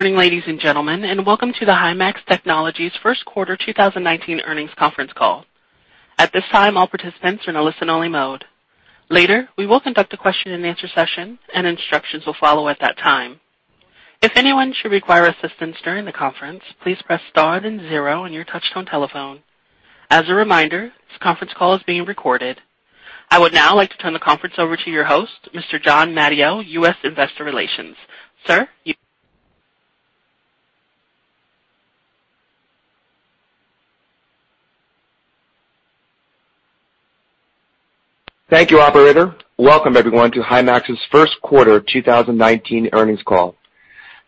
Good morning, ladies and gentlemen, welcome to the Himax Technologies first quarter 2019 earnings conference call. At this time, all participants are in a listen-only mode. Later, we will conduct a question-and-answer session, and instructions will follow at that time. If anyone should require assistance during the conference, please press star and zero on your touch-tone telephone. As a reminder, this conference call is being recorded. I would now like to turn the conference over to your host, Mr. John Mattio, U.S. Investor Relations. Sir, you may begin. Thank you, operator. Welcome everyone to Himax's first quarter 2019 earnings call.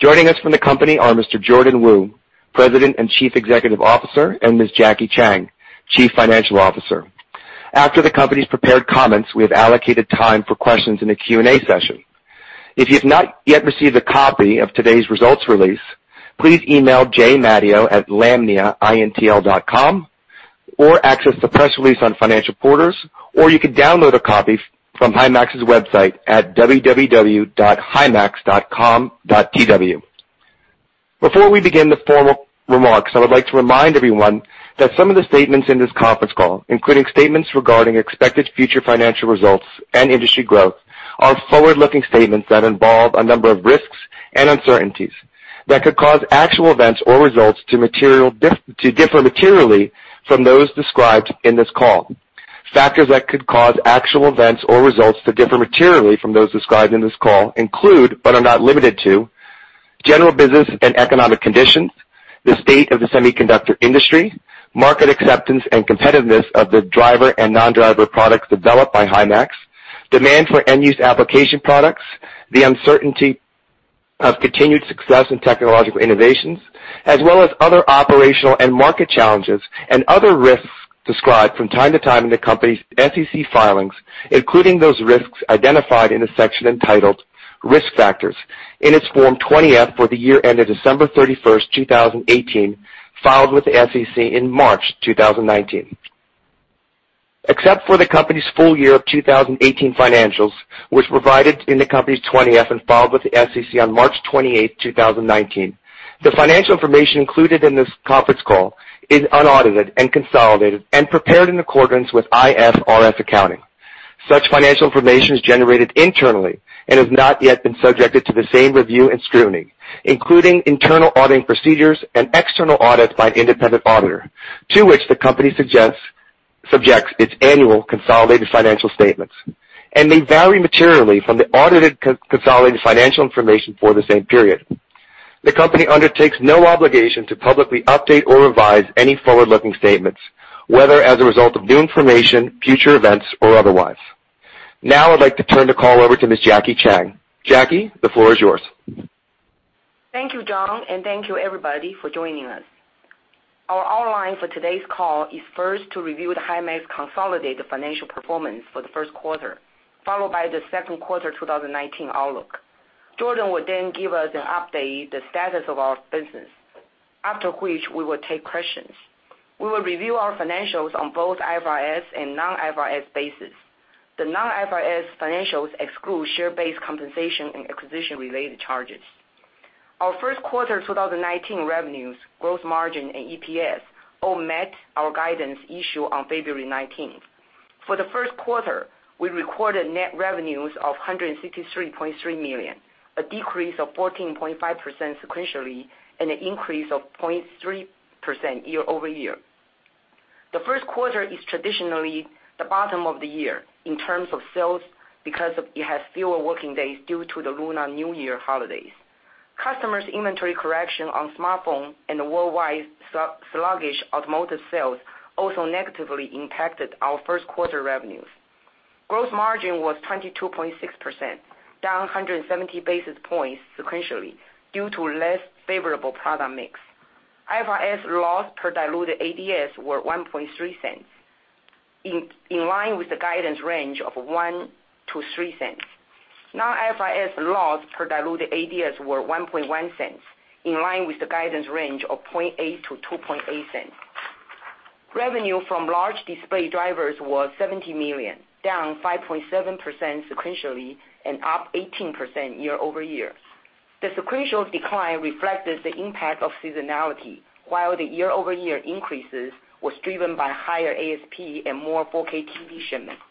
Joining us from the company are Mr. Jordan Wu, President and Chief Executive Officer, and Miss Jackie Chang, Chief Financial Officer. After the company's prepared comments, we have allocated time for questions in the Q&A session. If you have not yet received a copy of today's results release, please email jmattio@lamniaintl.com, or access the press release on Financial Portals, or you can download a copy from Himax's website at www.himax.com.tw. Before we begin the formal remarks, I would like to remind everyone that some of the statements in this conference call, including statements regarding expected future financial results and industry growth, are forward-looking statements that involve a number of risks and uncertainties that could cause actual events or results to differ materially from those described in this call. Factors that could cause actual events or results to differ materially from those described in this call include, but are not limited to, general business and economic conditions, the state of the semiconductor industry, market acceptance and competitiveness of the driver and non-driver products developed by Himax, demand for end-use application products, the uncertainty of continued success in technological innovations, as well as other operational and market challenges and other risks described from time to time in the company's SEC filings, including those risks identified in a section entitled Risk Factors in its Form 20F for the year ended December 31st, 2018, filed with the SEC in March 2019. Except for the company's full year of 2018 financials, which were provided in the company's 20F and filed with the SEC on March 28th, 2019, the financial information included in this conference call is unaudited and consolidated and prepared in accordance with IFRS accounting. Such financial information is generated internally and has not yet been subjected to the same review and scrutiny, including internal auditing procedures and external audits by an independent auditor, to which the company subjects its annual consolidated financial statements, and may vary materially from the audited consolidated financial information for the same period. The company undertakes no obligation to publicly update or revise any forward-looking statements, whether as a result of new information, future events, or otherwise. I'd like to turn the call over to Miss Jackie Chang. Jackie, the floor is yours. Thank you, John, and thank you, everybody, for joining us. Our outline for today's call is first to review the Himax consolidated financial performance for the first quarter, followed by the second quarter 2019 outlook. Jordan will give us an update, the status of our business, after which we will take questions. We will review our financials on both IFRS and non-IFRS basis. The non-IFRS financials exclude share-based compensation and acquisition-related charges. Our first quarter 2019 revenues, gross margin, and EPS all met our guidance issue on February 19th. For the first quarter, we recorded net revenues of NTD 163.3 million, a decrease of 14.5% sequentially and an increase of 0.3% year-over-year. The first quarter is traditionally the bottom of the year in terms of sales because it has fewer working days due to the Lunar New Year holidays. Customers' inventory correction on smartphone and the worldwide sluggish automotive sales also negatively impacted our first quarter revenues. Gross margin was 22.6%, down 170 basis points sequentially due to less favorable product mix. IFRS loss per diluted ADS were NTD 0.013, in line with the guidance range of NTD 0.01-NTD 0.03. Non-IFRS loss per diluted ADS were NTD 0.011, in line with the guidance range of NTD 0.008-NTD 0.028. Revenue from large display drivers was NTD 70 million, down 5.7% sequentially and up 18% year-over-year. The sequential decline reflected the impact of seasonality, while the year-over-year increases was driven by higher ASP and more 4K TV shipments.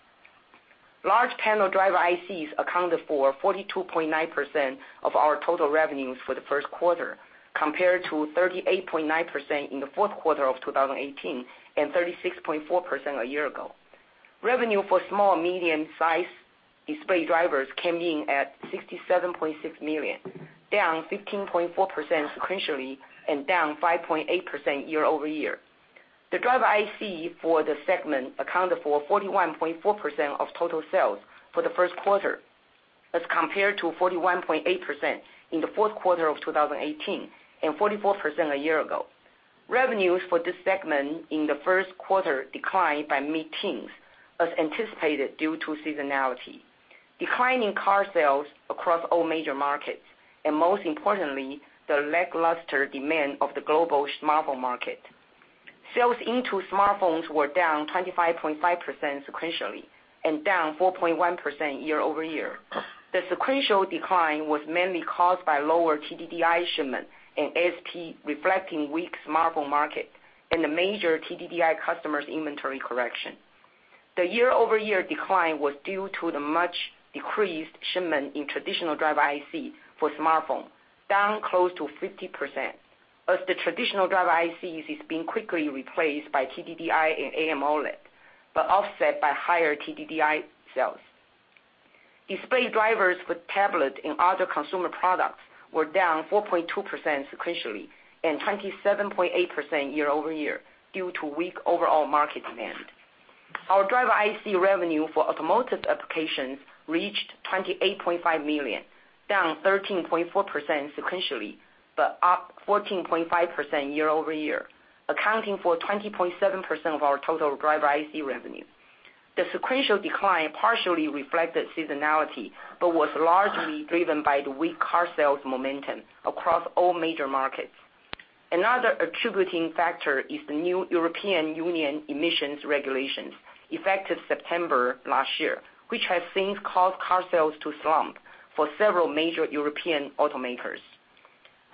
Large panel driver ICs accounted for 42.9% of our total revenues for the first quarter, compared to 38.9% in the fourth quarter of 2018 and 36.4% a year ago. Revenue for small, medium-sized display drivers came in at NTD 67.6 million, down 15.4% sequentially and down 5.8% year-over-year. The driver IC for the segment accounted for 41.4% of total sales for the first quarter as compared to 41.8% in the fourth quarter of 2018 and 44% a year ago. Revenues for this segment in the first quarter declined by mid-teens as anticipated due to seasonality, declining car sales across all major markets, and most importantly, the lackluster demand of the global smartphone market. Sales into smartphones were down 25.5% sequentially and down 4.1% year-over-year. The sequential decline was mainly caused by lower TDDI shipments in smartphone, reflecting weak smartphone market and the major TDDI customer's inventory correction. The year-over-year decline was due to the much decreased shipment in traditional driver IC for smartphone, down close to 50%, as the traditional driver ICs is being quickly replaced by TDDI and AMOLED, but offset by higher TDDI sales. Display drivers for tablet and other consumer products were down 4.2% sequentially and 27.8% year-over-year due to weak overall market demand. Our driver IC revenue for automotive applications reached NTD 28.5 million, down 13.4% sequentially, but up 14.5% year-over-year, accounting for 20.7% of our total driver IC revenue. The sequential decline partially reflected seasonality but was largely driven by the weak car sales momentum across all major markets. Another attributing factor is the new European Union emissions regulations effective September last year, which has since caused car sales to slump for several major European automakers.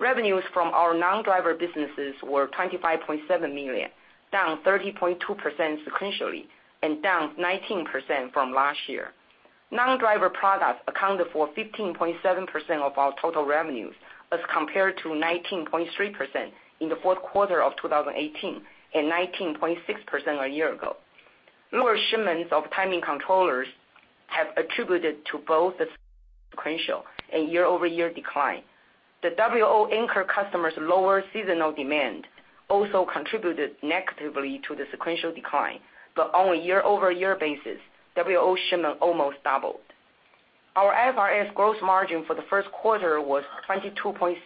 Revenues from our non-driver businesses were NTD 25.7 million, down 30.2% sequentially and down 19% from last year. Non-driver products accounted for 15.7% of our total revenues as compared to 19.3% in the fourth quarter of 2018 and 19.6% a year ago. Lower shipments of timing controllers have attributed to both the sequential and year-over-year decline. The WLO anchor customer's lower seasonal demand also contributed negatively to the sequential decline, but on a year-over-year basis, WLO shipment almost doubled. Our FRF gross margin for the first quarter was 22.6%,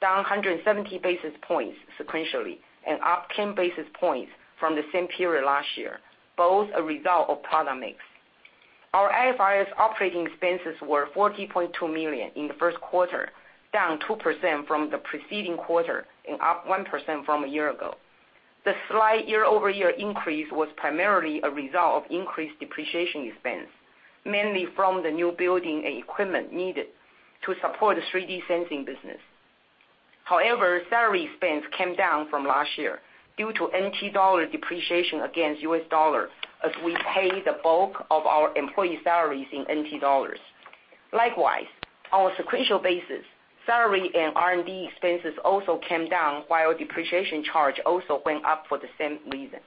down 170 basis points sequentially and up 10 basis points from the same period last year, both a result of product mix. Our IFRS operating expenses were 40.2 million in the first quarter, down 2% from the preceding quarter and up 1% from a year ago. The slight year-over-year increase was primarily a result of increased depreciation expense, mainly from the new building and equipment needed to support the 3D sensing business. Salary expense came down from last year due to NT dollar depreciation against US dollar as we pay the bulk of our employee salaries in NT dollars. Likewise, on a sequential basis, salary and R&D expenses also came down while depreciation charge also went up for the same reason.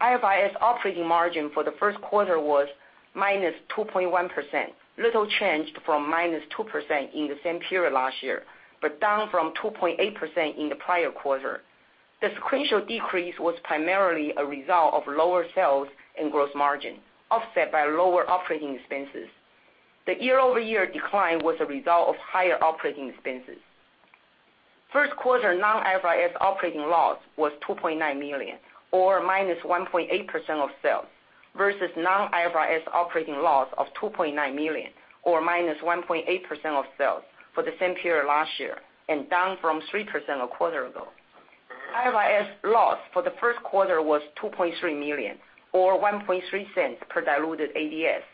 IFRS operating margin for the first quarter was -2.1%, little change from -2% in the same period last year, but down from 2.8% in the prior quarter. The sequential decrease was primarily a result of lower sales and gross margin, offset by lower operating expenses. The year-over-year decline was a result of higher operating expenses. First quarter non-IFRS operating loss was 2.9 million, or -1.8% of sales versus non-IFRS operating loss of 2.9 million or -1.8% of sales for the same period last year and down from 3% a quarter ago. IFRS loss for the first quarter was 2.3 million or 0.013 per diluted ADS,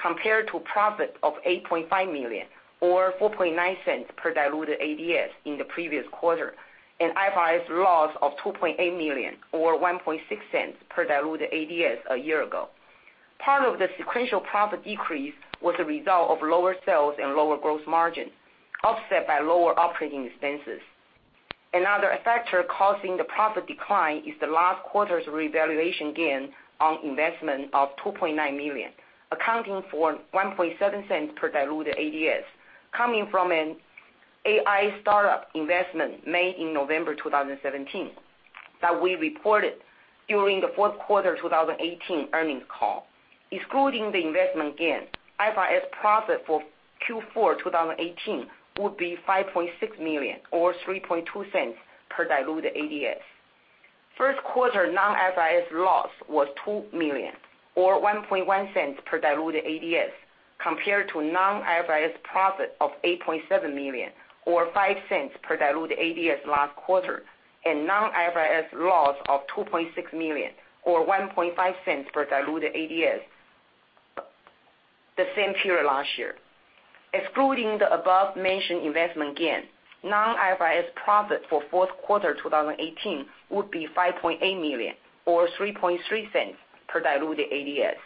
compared to profit of 8.5 million or 0.049 per diluted ADS in the previous quarter, and IFRS loss of 2.8 million or 0.016 per diluted ADS a year ago. Part of the sequential profit decrease was a result of lower sales and lower gross margin, offset by lower operating expenses. Another factor causing the profit decline is the last quarter's revaluation gain on investment of 2.9 million, accounting for 0.017 per diluted ADS coming from an AI startup investment made in November 2017 that we reported during the fourth quarter 2018 earnings call. Excluding the investment gain, IFRS profit for Q4 2018 would be 5.6 million or 0.032 per diluted ADS. First quarter non-IFRS loss was 2 million or 0.011 per diluted ADS, compared to non-IFRS profit of 8.7 million or 0.05 per diluted ADS last quarter and non-IFRS loss of 2.6 million or 0.015 per diluted ADS the same period last year. Excluding the above-mentioned investment gain, non-IFRS profit for fourth quarter 2018 would be 5.8 million or 0.033 per diluted ADS.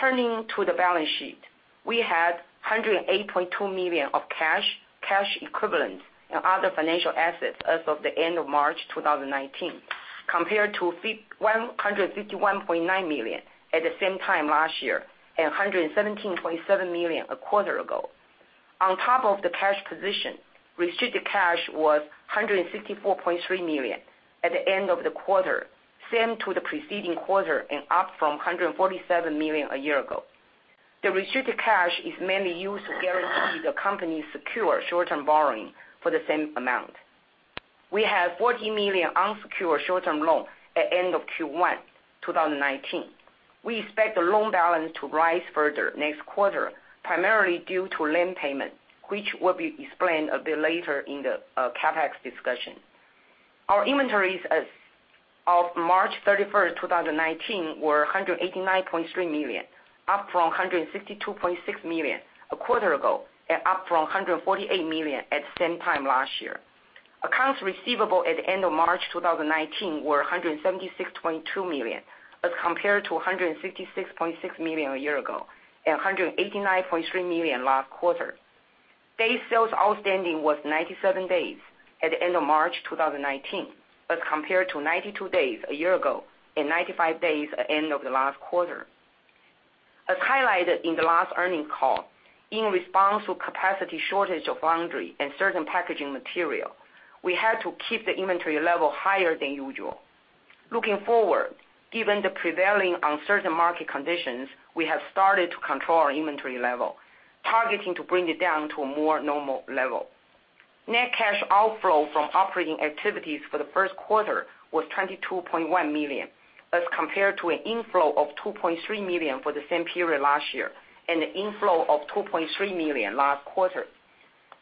Turning to the balance sheet. We had 108.2 million of cash equivalent, and other financial assets as of the end of March 2019, compared to 151.9 million at the same time last year and 117.7 million a quarter ago. On top of the cash position, restricted cash was 164.3 million at the end of the quarter, same to the preceding quarter and up from 147 million a year ago. The restricted cash is mainly used to guarantee the company's secure short-term borrowing for the same amount. We have 40 million unsecured short-term loan at end of Q1 2019. We expect the loan balance to rise further next quarter, primarily due to land payment, which will be explained a bit later in the CapEx discussion. Our inventories as of March 31st, 2019 were 189.3 million, up from 162.6 million a quarter ago and up from 148 million at the same time last year. Accounts receivable at the end of March 2019 were 176.2 million as compared to 166.6 million a year ago and 189.3 million last quarter. Day sales outstanding was 97 days at the end of March 2019 as compared to 92 days a year ago and 95 days at end of the last quarter. As highlighted in the last earning call, in response to capacity shortage of foundry and certain packaging material, we had to keep the inventory level higher than usual. Looking forward, given the prevailing uncertain market conditions, we have started to control our inventory level, targeting to bring it down to a more normal level. Net cash outflow from operating activities for the first quarter was 22.1 million, as compared to an inflow of 2.3 million for the same period last year and an inflow of 2.3 million last quarter.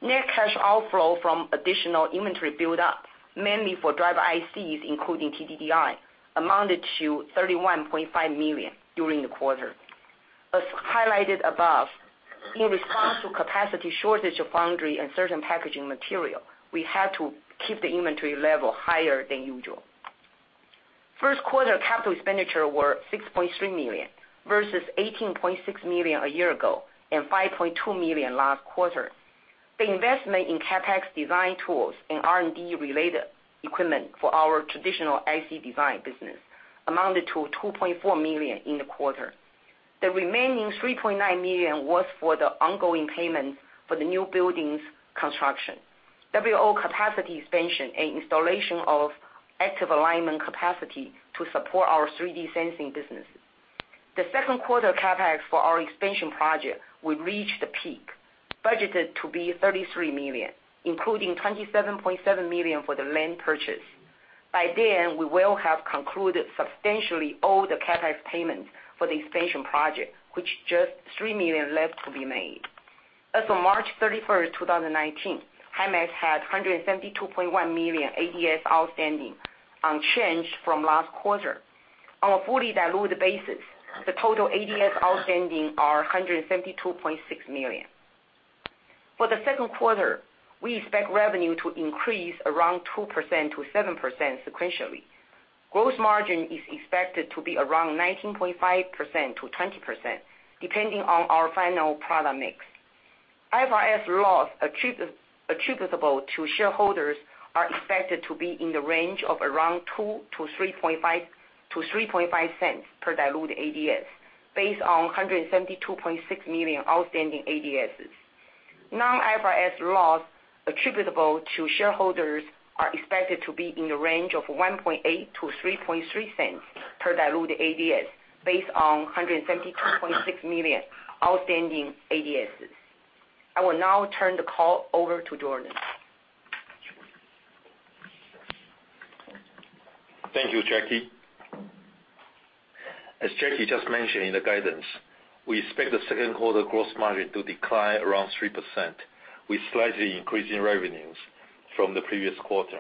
Net cash outflow from additional inventory buildup, mainly for driver ICs, including TDDI, amounted to 31.5 million during the quarter. As highlighted above, in response to capacity shortage of foundry and certain packaging material, we had to keep the inventory level higher than usual. First quarter capital expenditure were 6.3 million versus 18.6 million a year ago and 5.2 million last quarter. The investment in CapEx design tools and R&D-related equipment for our traditional IC design business amounted to 2.4 million in the quarter. The remaining 3.9 million was for the ongoing payment for the new building's construction, WLO capacity expansion, and installation of active alignment capacity to support our 3D sensing businesses. The second quarter CapEx for our expansion project will reach the peak, budgeted to be 33 million, including 27.7 million for the land purchase. By then, we will have concluded substantially all the CapEx payments for the expansion project, which just 3 million left to be made. As of March 31st, 2019, Himax had 172.1 million ADS outstanding, unchanged from last quarter. On a fully diluted basis, the total ADS outstanding are 172.6 million. For the second quarter, we expect revenue to increase around 2%-7% sequentially. Gross margin is expected to be around 19.5%-20%, depending on our final product mix. IFRS loss attributable to shareholders are expected to be in the range of around 0.02-0.035 per diluted ADS based on 172.6 million outstanding ADSs. Non-IFRS loss attributable to shareholders are expected to be in the range of 0.018-0.033 per diluted ADS based on 172.6 million outstanding ADSs. I will now turn the call over to Jordan. Thank you, Jackie. As Jackie just mentioned in the guidance, we expect the second quarter gross margin to decline around 3% with slightly increasing revenues from the previous quarter.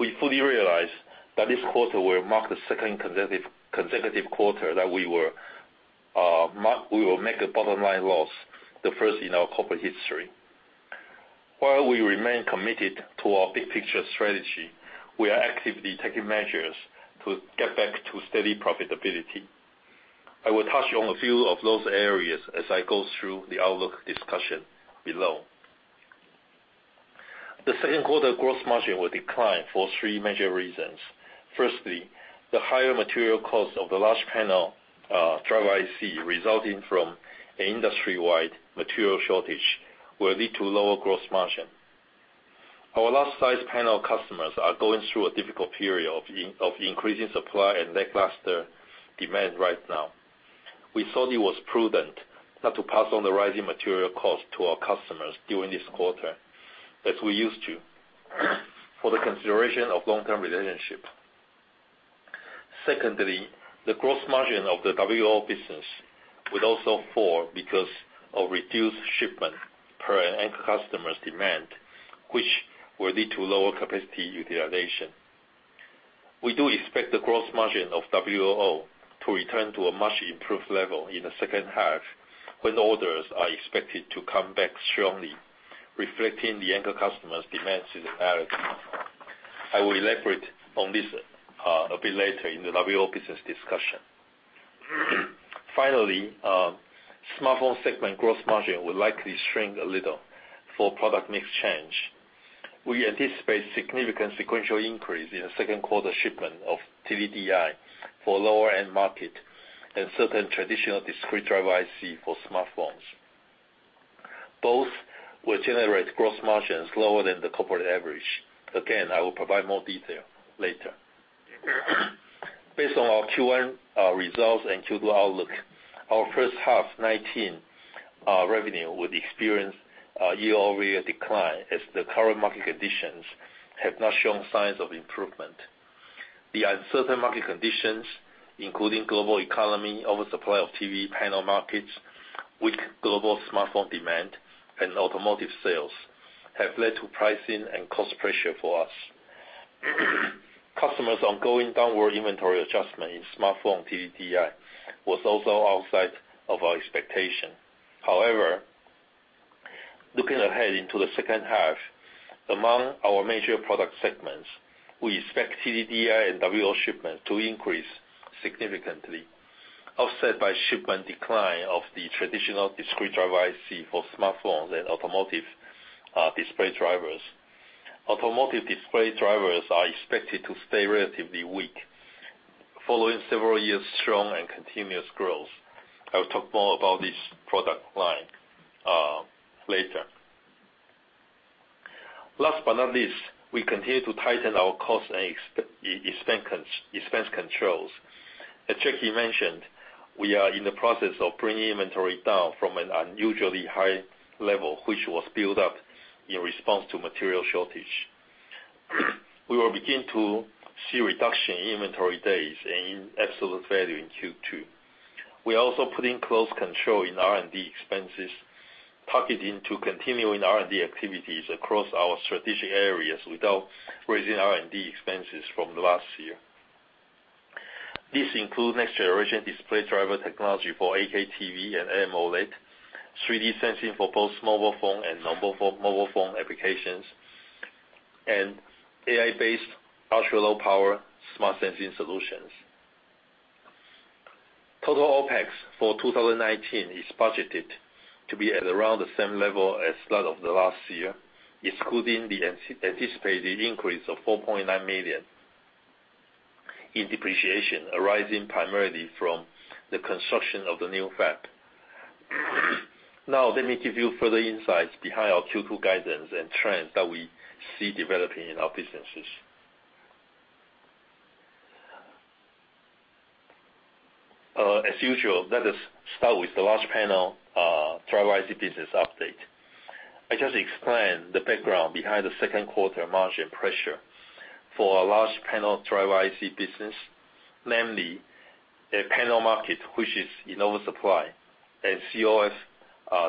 We fully realize that this quarter will mark the second consecutive quarter that we will make a bottom-line loss, the first in our corporate history. While we remain committed to our big picture strategy, we are actively taking measures to get back to steady profitability. I will touch on a few of those areas as I go through the outlook discussion below. The second quarter gross margin will decline for three major reasons. Firstly, the higher material cost of the large panel driver IC resulting from an industry-wide material shortage will lead to lower gross margin. Our large size panel customers are going through a difficult period of increasing supply and lackluster demand right now. We thought it was prudent not to pass on the rising material cost to our customers during this quarter as we used to, for the consideration of long-term relationship. Secondly, the gross margin of the WLO business will also fall because of reduced shipment per end customer's demand, which will lead to lower capacity utilization. We do expect the gross margin of WLO to return to a much improved level in the second half, when orders are expected to come back strongly, reflecting the end customer's demand seasonality. I will elaborate on this a bit later in the WLO business discussion. Finally, smartphone segment gross margin will likely shrink a little for product mix change. We anticipate significant sequential increase in the second quarter shipment of TDDI for lower-end market and certain traditional discrete driver IC for smartphones. Both will generate gross margins lower than the corporate average. Again, I will provide more detail later. Based on our Q1 results and Q2 outlook, our first half 2019 revenue would experience a year-over-year decline as the current market conditions have not shown signs of improvement. The uncertain market conditions, including global economy, oversupply of TV panel markets, weak global smartphone demand, and automotive sales, have led to pricing and cost pressure for us. Customers' ongoing downward inventory adjustment in smartphone TDDI was also outside of our expectation. Looking ahead into the second half, among our major product segments, we expect TDDI and WLO shipments to increase significantly, offset by shipment decline of the traditional discrete driver IC for smartphones and automotive display drivers. Automotive display drivers are expected to stay relatively weak following several years of strong and continuous growth. I will talk more about this product line later. Last but not least, we continue to tighten our cost and expense controls. As Jackie mentioned, we are in the process of bringing inventory down from an unusually high level, which was built up in response to material shortage. We will begin to see a reduction in inventory days and in absolute value in Q2. We are also putting close control in R&D expenses, targeting to continuing R&D activities across our strategic areas without raising R&D expenses from last year. This includes next generation display driver technology for 8K TV and AMOLED, 3D sensing for both smartphone and mobile phone applications, and AI-based ultra-low power smart sensing solutions. Total OpEx for 2019 is budgeted to be at around the same level as that of last year, excluding the anticipated increase of 4.9 million in depreciation, arising primarily from the construction of the new fab. Let me give you further insights behind our Q2 guidance and trends that we see developing in our businesses. As usual, let us start with the large panel driver IC business update. I just explained the background behind the second quarter margin pressure for our large panel driver IC business, namely, a panel market which is in oversupply and COF,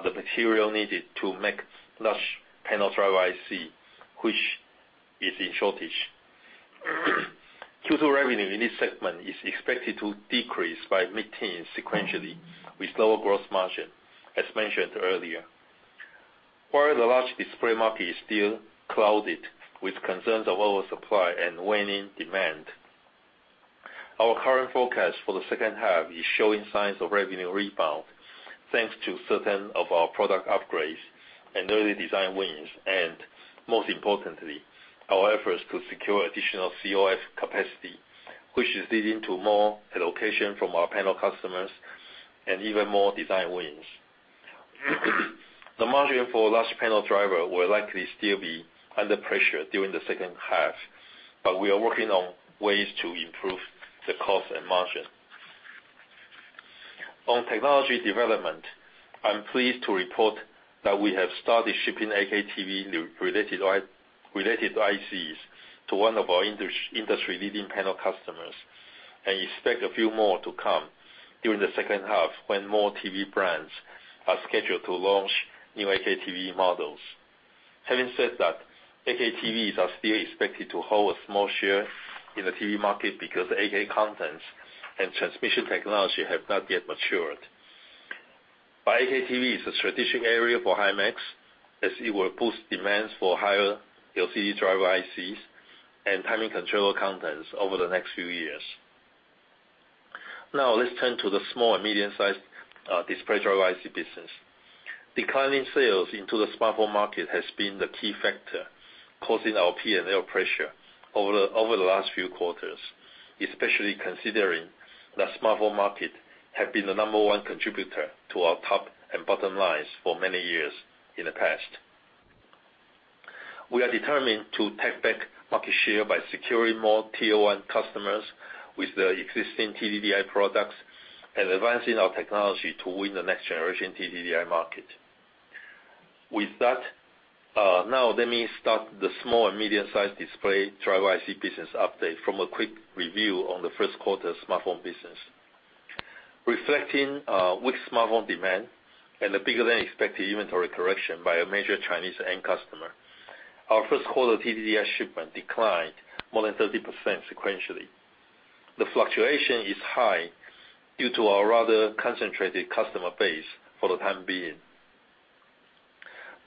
the material needed to make large panel driver IC, which is in shortage. Q2 revenue in this segment is expected to decrease by mid-teen sequentially with lower gross margin, as mentioned earlier. While the large display market is still clouded with concerns of oversupply and waning demand, our current forecast for the second half is showing signs of revenue rebound, thanks to certain of our product upgrades and early design wins, and most importantly, our efforts to secure additional COF capacity, which is leading to more allocation from our panel customers and even more design wins. The margin for large panel driver will likely still be under pressure during the second half. We are working on ways to improve the cost and margin. On technology development, I'm pleased to report that we have started shipping 8K TV related ICs to one of our industry-leading panel customers, and expect a few more to come during the second half when more TV brands are scheduled to launch new 8K TV models. Having said that, 8K TVs are still expected to hold a small share in the TV market because 8K content and transmission technology have not yet matured. 8K TV is a strategic area for Himax as it will boost demands for higher LCD driver ICs and timing control contents over the next few years. Let's turn to the small and medium-sized display driver IC business. Declining sales into the smartphone market has been the key factor causing our P&L pressure over the last few quarters, especially considering that smartphone market has been the number one contributor to our top and bottom lines for many years in the past. We are determined to take back market share by securing more tier 1 customers with the existing TDDI products and advancing our technology to win the next generation TDDI market. With that, let me start the small and medium-sized display driver IC business update from a quick review on the first quarter smartphone business. Reflecting weak smartphone demand and the bigger than expected inventory correction by a major Chinese end customer, our first quarter TDDI shipment declined more than 30% sequentially. The fluctuation is high due to our rather concentrated customer base for the time being.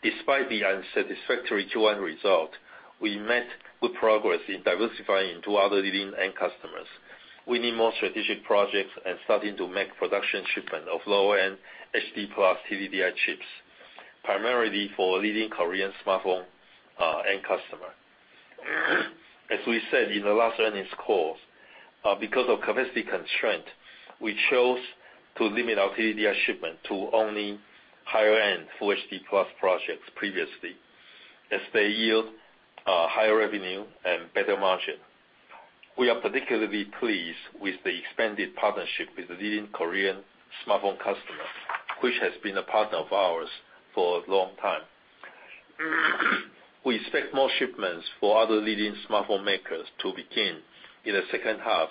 Despite the unsatisfactory Q1 result, we made good progress in diversifying to other leading end customers. We need more strategic projects and starting to make production shipment of lower-end HD+ TDDI chips, primarily for leading Korean smartphone end customer. As we said in the last earnings call, because of capacity constraint, we chose to limit our TDDI shipment to only higher-end Full HD+ projects previously, as they yield higher revenue and better margin. We are particularly pleased with the expanded partnership with the leading Korean smartphone customer, which has been a partner of ours for a long time. We expect more shipments for other leading smartphone makers to begin in the second half,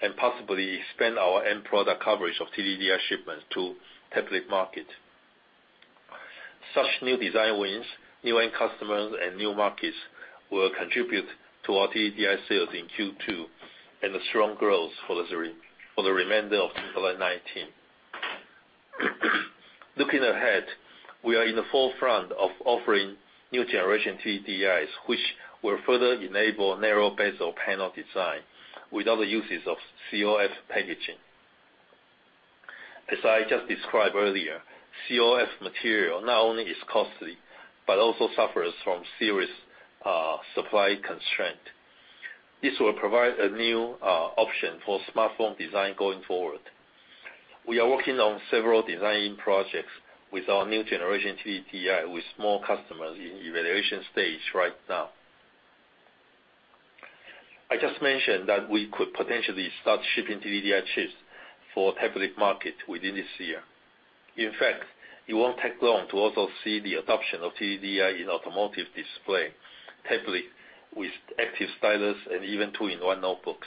and possibly expand our end product coverage of TDDI shipments to tablet market. Such new design wins, new end customers, and new markets will contribute to our TDDI sales in Q2, and a strong growth for the remainder of 2019. Looking ahead, we are in the forefront of offering new generation TDDIs, which will further enable narrow bezel panel design with other uses of COF packaging. As I just described earlier, COF material not only is costly, but also suffers from serious supply constraint. This will provide a new option for smartphone design going forward. We are working on several design projects with our new generation TDDI with small customers in evaluation stage right now. I just mentioned that we could potentially start shipping TDDI chips for tablet market within this year. In fact, it won't take long to also see the adoption of TDDI in automotive display, tablet with active stylus, and even two-in-one notebooks.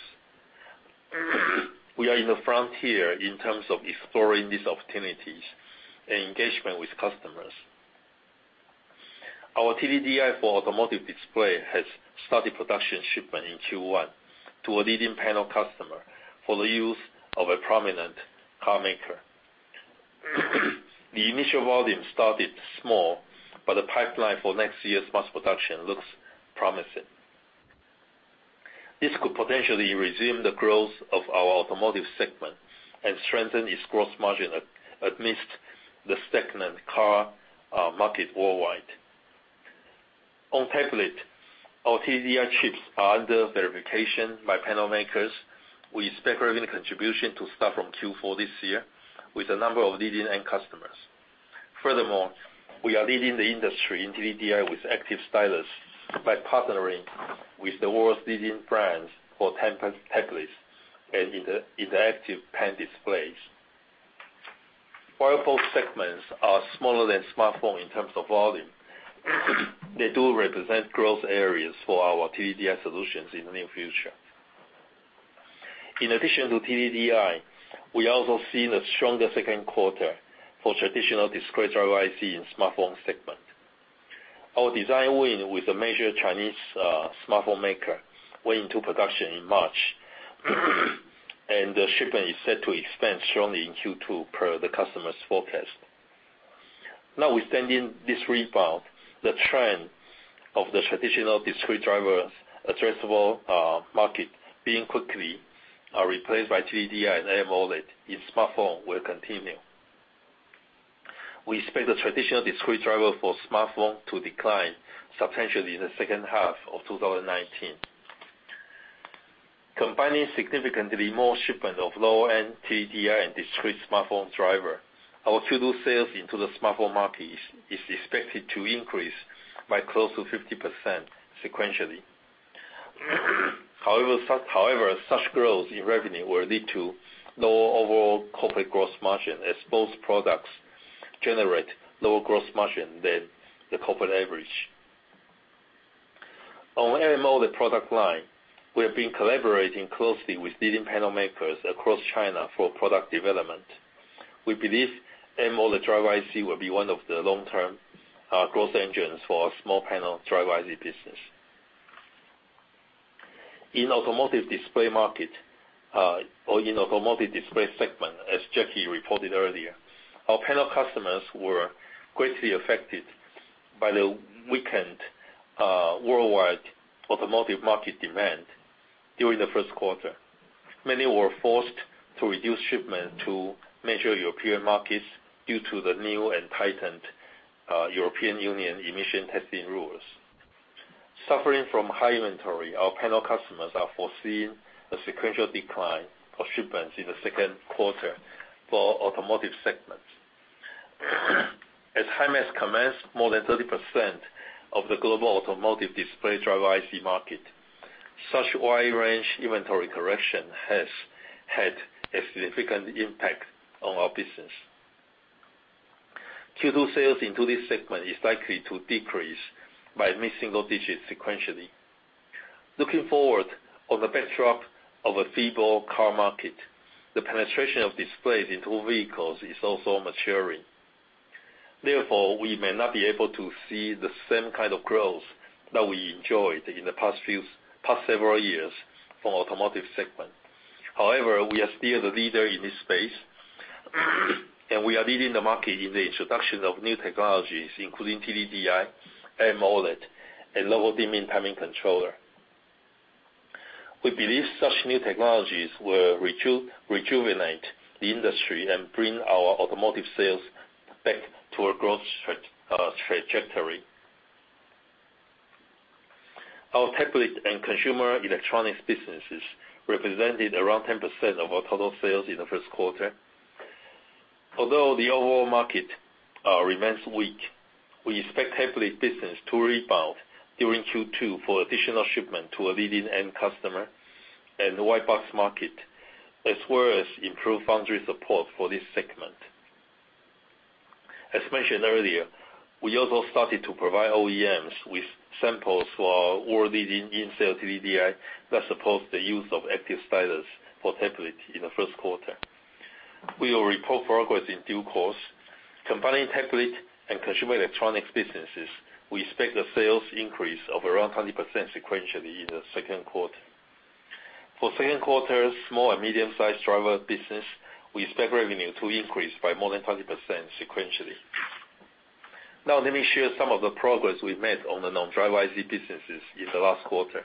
We are in the frontier in terms of exploring these opportunities and engagement with customers. Our TDDI for automotive display has started production shipment in Q1 to a leading panel customer for the use of a prominent car maker. The initial volume started small, but the pipeline for next year's mass production looks promising. This could potentially resume the growth of our automotive segment and strengthen its gross margin amidst the stagnant car market worldwide. On tablet, our TDDI chips are under verification by panel makers. We expect revenue contribution to start from Q4 this year with a number of leading end customers. Furthermore, we are leading the industry in TDDI with active stylus by partnering with the world's leading brands for tablets and interactive pen displays. While both segments are smaller than smartphone in terms of volume, they do represent growth areas for our TDDI solutions in the near future. In addition to TDDI, we also see the stronger second quarter for traditional discrete driver IC in smartphone segment. Our design win with a major Chinese smartphone maker went into production in March, and the shipment is set to expand strongly in Q2 per the customer's forecast. Notwithstanding this rebound, the trend of the traditional discrete driver addressable market being quickly replaced by TDDI and AMOLED in smartphone will continue. We expect the traditional discrete driver for smartphone to decline substantially in the second half of 2019. Combining significantly more shipment of lower-end TDDI and discrete smartphone driver, our total sales into the smartphone market is expected to increase by close to 50% sequentially. However, such growth in revenue will lead to lower overall corporate gross margin, as both products generate lower gross margin than the corporate average. On AMOLED product line, we have been collaborating closely with leading panel makers across China for product development. We believe AMOLED driver IC will be one of the long-term growth engines for our small panel driver IC business. In automotive display market, or in automotive display segment, as Jackie reported earlier, our panel customers were greatly affected by the weakened worldwide automotive market demand during the first quarter. Many were forced to reduce shipment to major European markets due to the new and tightened European Union emission testing rules. Suffering from high inventory, our panel customers are foreseeing a sequential decline of shipments in the second quarter for automotive segments. As Himax commands more than 30% of the global automotive display driver IC market, such wide range inventory correction has had a significant impact on our business. Q2 sales into this segment is likely to decrease by mid-single digits sequentially. Looking forward, on the backdrop of a feeble car market, the penetration of displays into vehicles is also maturing. We may not be able to see the same kind of growth that we enjoyed in the past several years for automotive segment. We are still the leader in this space, and we are leading the market in the introduction of new technologies, including TDDI, AMOLED, and local dimming timing controller. We believe such new technologies will rejuvenate the industry and bring our automotive sales back to a growth trajectory. Our tablet and consumer electronics businesses represented around 10% of our total sales in the first quarter. Although the overall market remains weak, we expect tablet business to rebound during Q2 for additional shipment to a leading end customer in the white box market, as well as improved foundry support for this segment. As mentioned earlier, we also started to provide OEMs with samples for our world leading in-cell TDDI that supports the use of active stylus for tablet in the first quarter. We will report progress in due course. Combining tablet and consumer electronics businesses, we expect a sales increase of around 20% sequentially in the second quarter. For second quarter, small and medium-sized driver business, we expect revenue to increase by more than 20% sequentially. Now let me share some of the progress we've made on the non-driver IC businesses in the last quarter.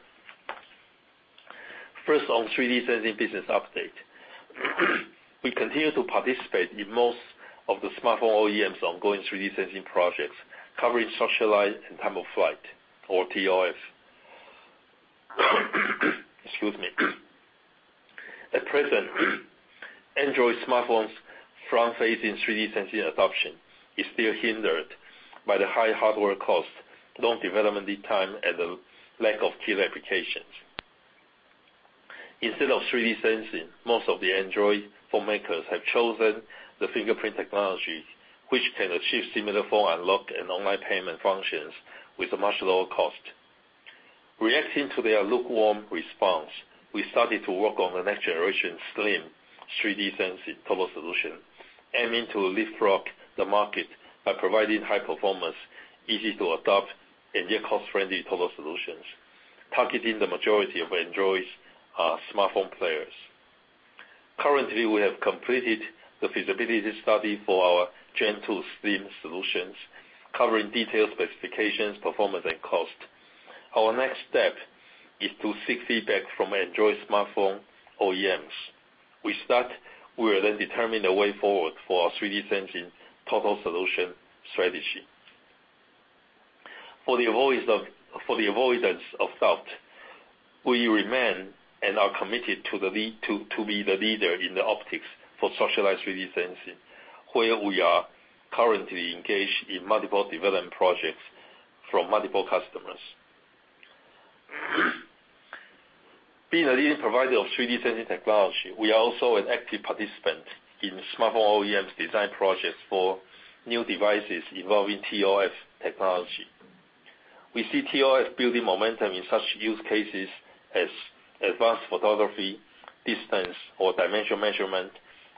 First, on 3D sensing business update. We continue to participate in most of the smartphone OEMs ongoing 3D sensing projects, covering structured light and Time-of-Flight or ToF. Excuse me. At present, Android smartphones front-facing 3D sensing adoption is still hindered by the high hardware cost, long development lead time, and the lack of killer applications. Instead of 3D sensing, most of the Android phone makers have chosen the fingerprint technology, which can achieve similar phone unlock and online payment functions with a much lower cost. Reacting to their lukewarm response, we started to work on the next generation slim 3D sensing total solution, aiming to leapfrog the market by providing high performance, easy to adopt, and yet cost-friendly total solutions, targeting the majority of Android smartphone players. Currently, we have completed the feasibility study for our gen two slim solutions, covering detailed specifications, performance, and cost. Our next step is to seek feedback from Android smartphone OEMs. We will then determine the way forward for our 3D sensing total solution strategy. For the avoidance of doubt, we remain and are committed to be the leader in the optics for structured light 3D sensing, where we are currently engaged in multiple development projects from multiple customers. Being a leading provider of 3D sensing technology, we are also an active participant in smartphone OEMs design projects for new devices involving ToF technology. We see ToF building momentum in such use cases as advanced photography, distance or dimension measurement,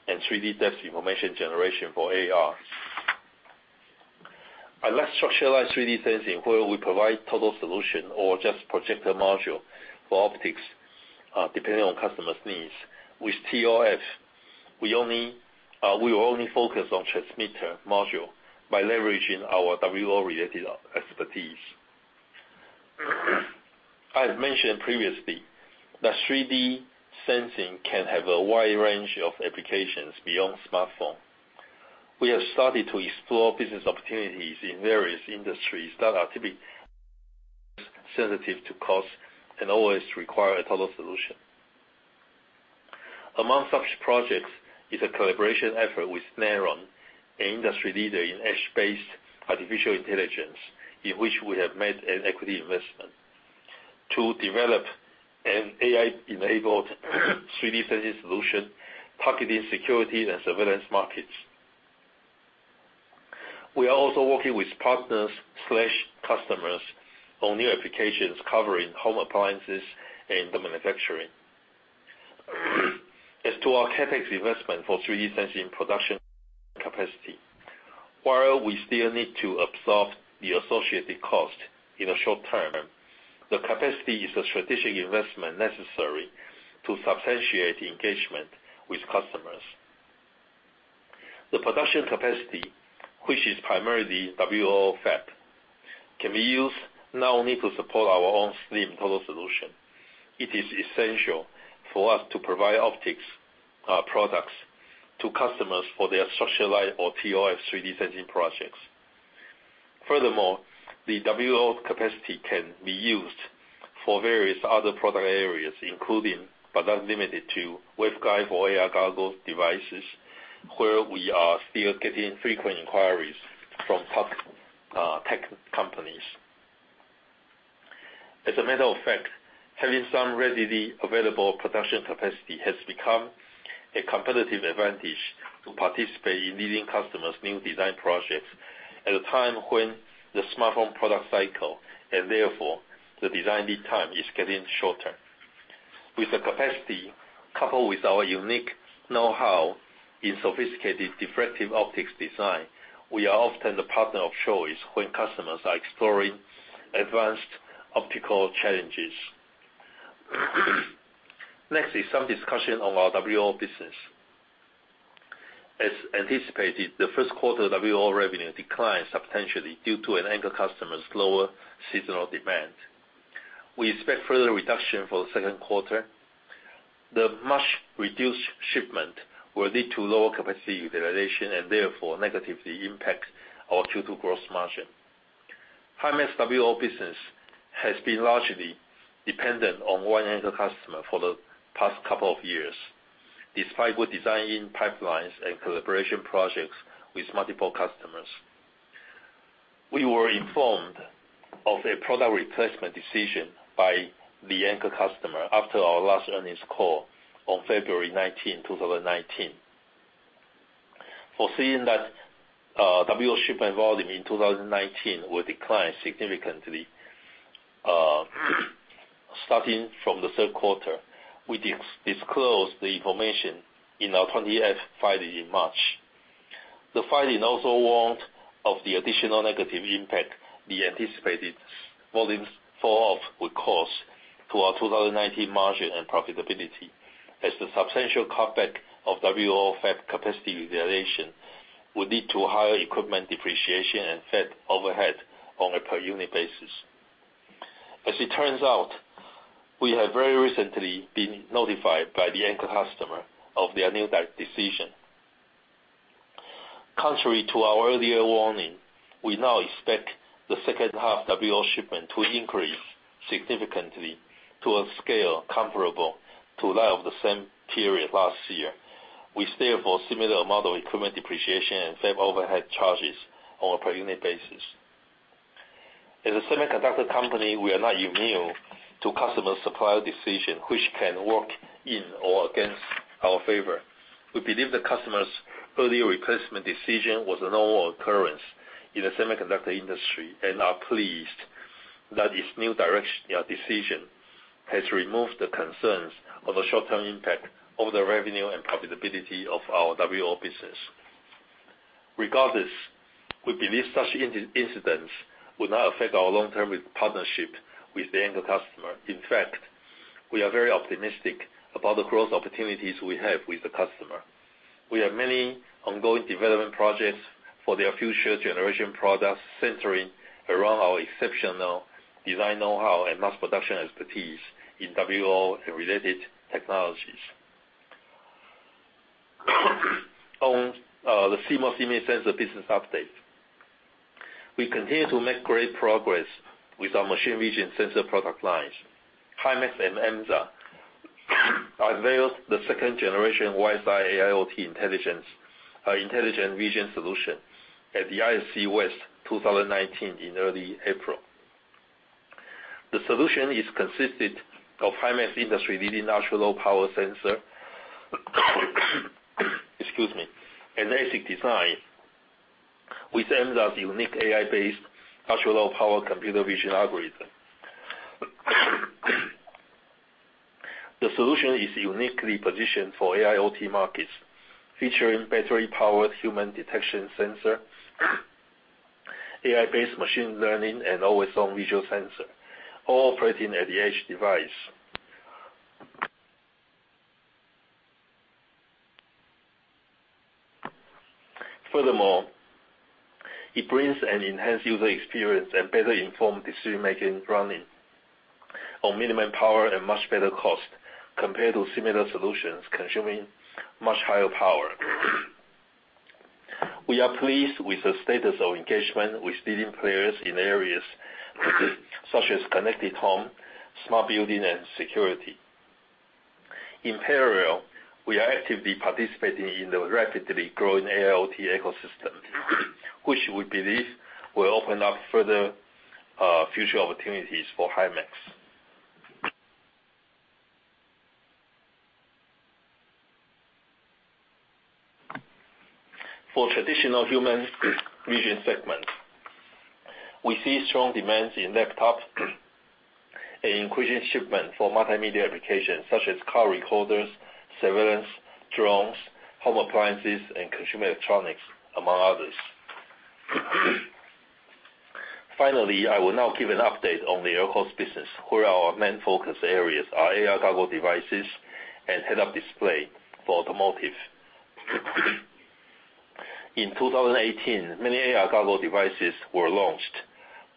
and 3D depth information generation for AR. Unlike structured light 3D sensing, where we provide total solution or just projector module for optics, depending on customers' needs. With ToF, we will only focus on transmitter module by leveraging our WLO related expertise. I have mentioned previously that 3D sensing can have a wide range of applications beyond smartphone. We have started to explore business opportunities in various industries that are typically sensitive to cost and always require a total solution. Among such projects is a collaboration effort with Kneron, an industry leader in edge-based artificial intelligence, in which we have made an equity investment to develop an AI-enabled 3D sensing solution targeting security and surveillance markets. We are also working with partners/customers on new applications covering home appliances and manufacturing. As to our CapEx investment for 3D sensing production capacity, while we still need to absorb the associated cost in the short term, the capacity is a strategic investment necessary to substantiate engagement with customers. The production capacity, which is primarily WLO fab, can be used not only to support our own slim total solution, it is essential for us to provide optics products to customers for their structured light or ToF 3D sensing projects. Furthermore, the WLO capacity can be used for various other product areas, including but not limited to waveguide for AR goggles devices, where we are still getting frequent inquiries from top tech companies. As a matter of fact, having some readily available production capacity has become a competitive advantage to participate in leading customers' new design projects at a time when the smartphone product cycle, and therefore, the design lead time is getting shorter. With the capacity, coupled with our unique know-how in sophisticated diffractive optics design, we are often the partner of choice when customers are exploring advanced optical challenges. Next is some discussion on our WLO business. As anticipated, the first quarter WLO revenue declined substantially due to an anchor customer's lower seasonal demand. We expect further reduction for the second quarter. The much reduced shipment will lead to lower capacity utilization and therefore negatively impact our Q2 gross margin. Himax WLO business has been largely dependent on one anchor customer for the past couple of years, despite with designing pipelines and collaboration projects with multiple customers. We were informed of a product replacement decision by the anchor customer after our last earnings call on February 19, 2019. Foreseeing that WLO shipment volume in 2019 will decline significantly, starting from the third quarter, we disclose the information in our 20F filing in March. The filing also warned of the additional negative impact we anticipated volume falloff would cause to our 2019 margin and profitability, as the substantial cutback of WLO fab capacity utilization would lead to higher equipment depreciation and fab overhead on a per unit basis. As it turns out, we have very recently been notified by the anchor customer of their new decision. Contrary to our earlier warning, we now expect the second half WLO shipment to increase significantly to a scale comparable to that of the same period last year. We stay for a similar amount of equipment depreciation and fab overhead charges on a per unit basis. As a semiconductor company, we are not immune to customer supplier decision, which can work in or against our favor. We believe the customer's earlier replacement decision was a normal occurrence in the semiconductor industry and are pleased that its new decision has removed the concerns of a short-term impact over the revenue and profitability of our WLO business. Regardless, we believe such incidents will not affect our long-term partnership with the anchor customer. We are very optimistic about the growth opportunities we have with the customer. We have many ongoing development projects for their future generation products, centering around our exceptional design know-how and mass production expertise in WLO and related technologies. On the CMOS image sensor business update. We continue to make great progress with our machine vision sensor product lines. Himax and Emza unveiled the second generation WiseEye AIoT intelligent vision solution at the ISC West 2019 in early April. The solution is consisted of Himax industry-leading ultra-low power sensor, excuse me, an ASIC design with Emza's unique AI-based ultra-low power computer vision algorithm. The solution is uniquely positioned for AIoT markets, featuring battery-powered human detection sensor, AI-based machine learning, and always-on visual sensor, all operating at the edge device. It brings an enhanced user experience and better informed decision-making running on minimum power and much better cost compared to similar solutions consuming much higher power. We are pleased with the status of engagement with leading players in areas such as connected home, smart building, and security. In parallel, we are actively participating in the rapidly growing AIoT ecosystem, which we believe will open up further future opportunities for Himax. For traditional human vision segment, we see strong demands in laptops and increasing shipment for multimedia applications such as car recorders, surveillance, drones, home appliances, and consumer electronics, among others. Finally, I will now give an update on the LCoS business, where our main focus areas are AR goggle devices and head-up display for automotive. In 2018, many AR goggle devices were launched,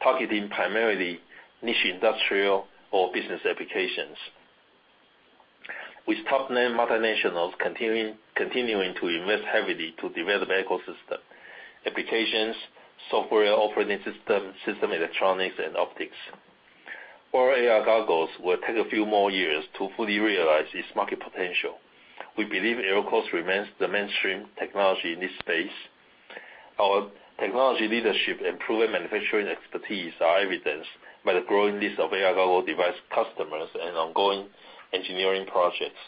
targeting primarily niche industrial or business applications. With top-name multinationals continuing to invest heavily to develop ecosystem, applications, software operating system electronics, and optics. For AR goggles will take a few more years to fully realize its market potential. We believe LCoS remains the mainstream technology in this space. Our technology leadership and proven manufacturing expertise are evidenced by the growing list of AR goggle device customers and ongoing engineering projects.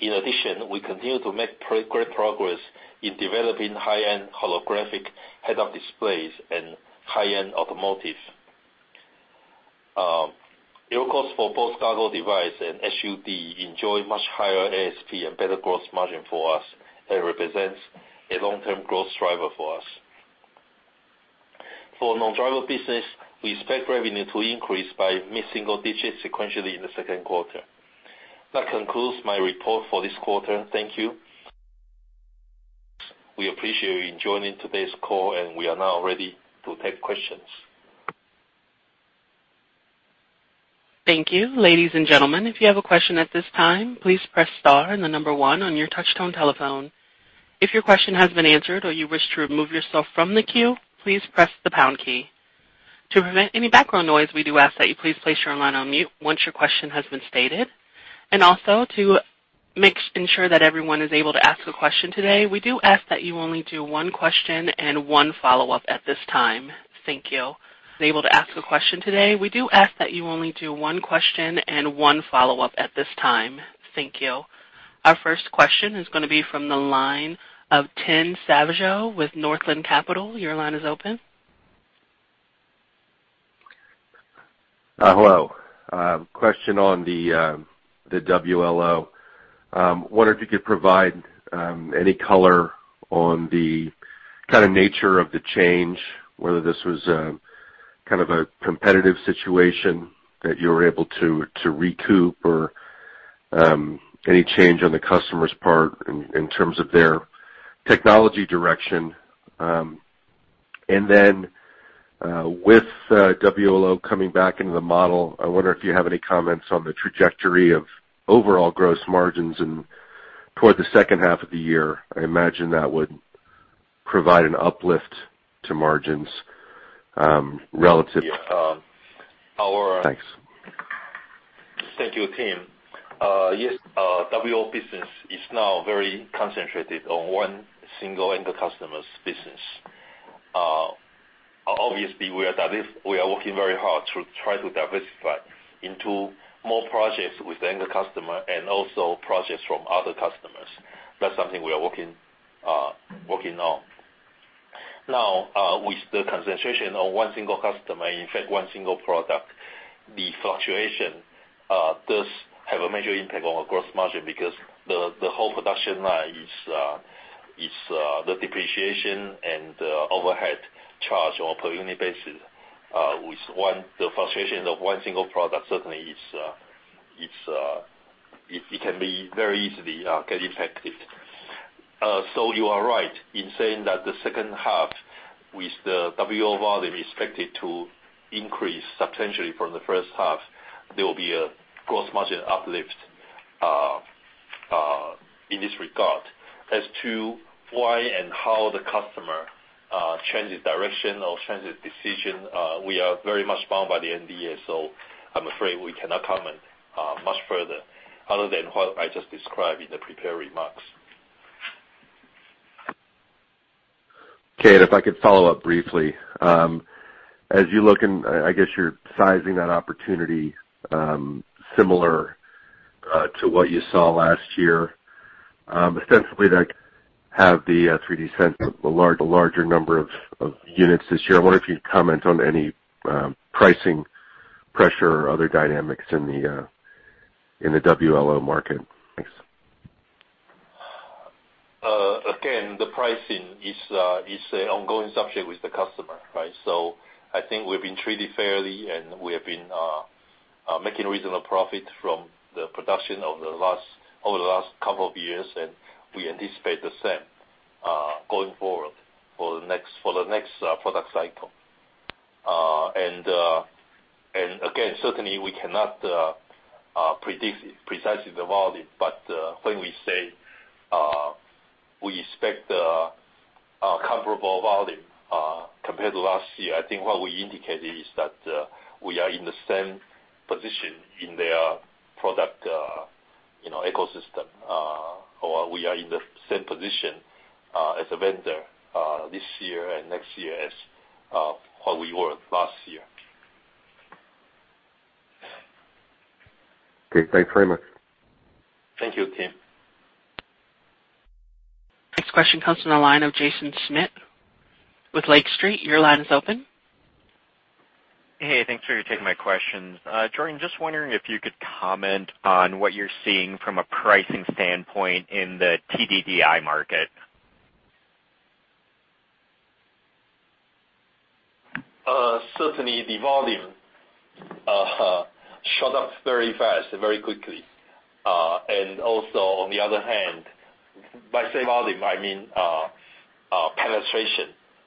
In addition, we continue to make great progress in developing high-end holographic head-up displays in high-end automotive. LCoS for both goggle device and HUD enjoy much higher ASP and better gross margin for us, and represents a long-term growth driver for us. For non-driver business, we expect revenue to increase by mid single digits sequentially in the second quarter. That concludes my report for this quarter. Thank you. We appreciate you joining today's call, and we are now ready to take questions. Thank you. Ladies and gentlemen, if you have a question at this time, please press star and the number one on your touchtone telephone. If your question has been answered or you wish to remove yourself from the queue, please press the pound key. To prevent any background noise, we do ask that you please place your line on mute once your question has been stated. To ensure that everyone is able to ask a question today, we do ask that you only do one question and one follow-up at this time. Thank you. Able to ask a question today, we do ask that you only do one question and one follow-up at this time. Thank you. Our first question is going to be from the line of Tim Savageaux with Northland Capital. Your line is open. Hello. Question on the WLO. Wondered if you could provide any color on the kind of nature of the change, whether this was a competitive situation that you were able to recoup or any change on the customer's part in terms of their technology direction. With WLO coming back into the model, I wonder if you have any comments on the trajectory of overall gross margins and toward the second half of the year. I imagine that would provide an uplift to margins, relative- Yeah. Thanks. Thank you, Tim. Yes, WLO business is now very concentrated on one single end customer's business. Obviously, we are working very hard to try to diversify into more projects with the end customer and also projects from other customers. That's something we are working on. With the concentration on one single customer, in fact, one single product, the fluctuation does have a major impact on our gross margin because the whole production line is the depreciation and overhead charge on a per-unit basis. With the fluctuation of one single product, certainly, it can be very easily get impacted. You are right in saying that the second half, with the WLO volume expected to increase substantially from the first half, there will be a gross margin uplift in this regard. As to why and how the customer changed his direction or changed his decision, we are very much bound by the NDA, so I'm afraid we cannot comment much further other than what I just described in the prepared remarks. Okay. If I could follow up briefly. As you look and, I guess you're sizing that opportunity, similar to what you saw last year. Ostensibly, that have the 3D sensor, a larger number of units this year. I wonder if you'd comment on any pricing pressure or other dynamics in the WLO market. Thanks. Again, the pricing is a ongoing subject with the customer, right? I think we've been treated fairly, and we have been making reasonable profit from the production over the last couple of years, and we anticipate the same, going forward for the next product cycle. Again, certainly, we cannot predict precisely the volume, but when we say we expect a comparable volume compared to last year, I think what we indicate is that we are in the same position in their product ecosystem, or we are in the same position as a vendor, this year and next year as what we were last year. Okay, thanks very much. Thank you, Tim. Next question comes from the line of Jaeson Schmidt with Lake Street. Your line is open. Hey, thanks for taking my questions. Jordan, just wondering if you could comment on what you are seeing from a pricing standpoint in the TDDI market. Certainly, the volume shot up very fast, very quickly. Also, on the other hand, by say volume, I mean,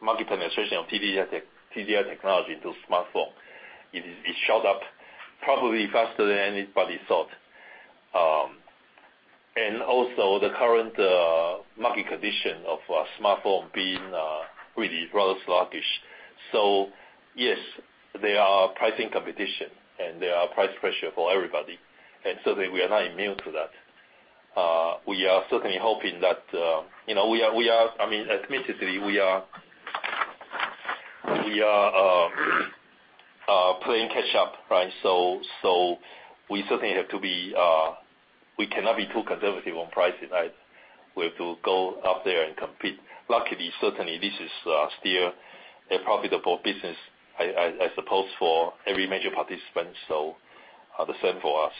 market penetration of TDDI technology into smartphone. It shot up probably faster than anybody thought. Also, the current market condition of smartphone being really rather sluggish. Yes, there are pricing competition, and there are price pressure for everybody, and certainly we are not immune to that. Admittedly, we are playing catch up, right? We cannot be too conservative on pricing, right? We have to go out there and compete. Luckily, certainly, this is still a profitable business, I suppose for every major participant, so the same for us.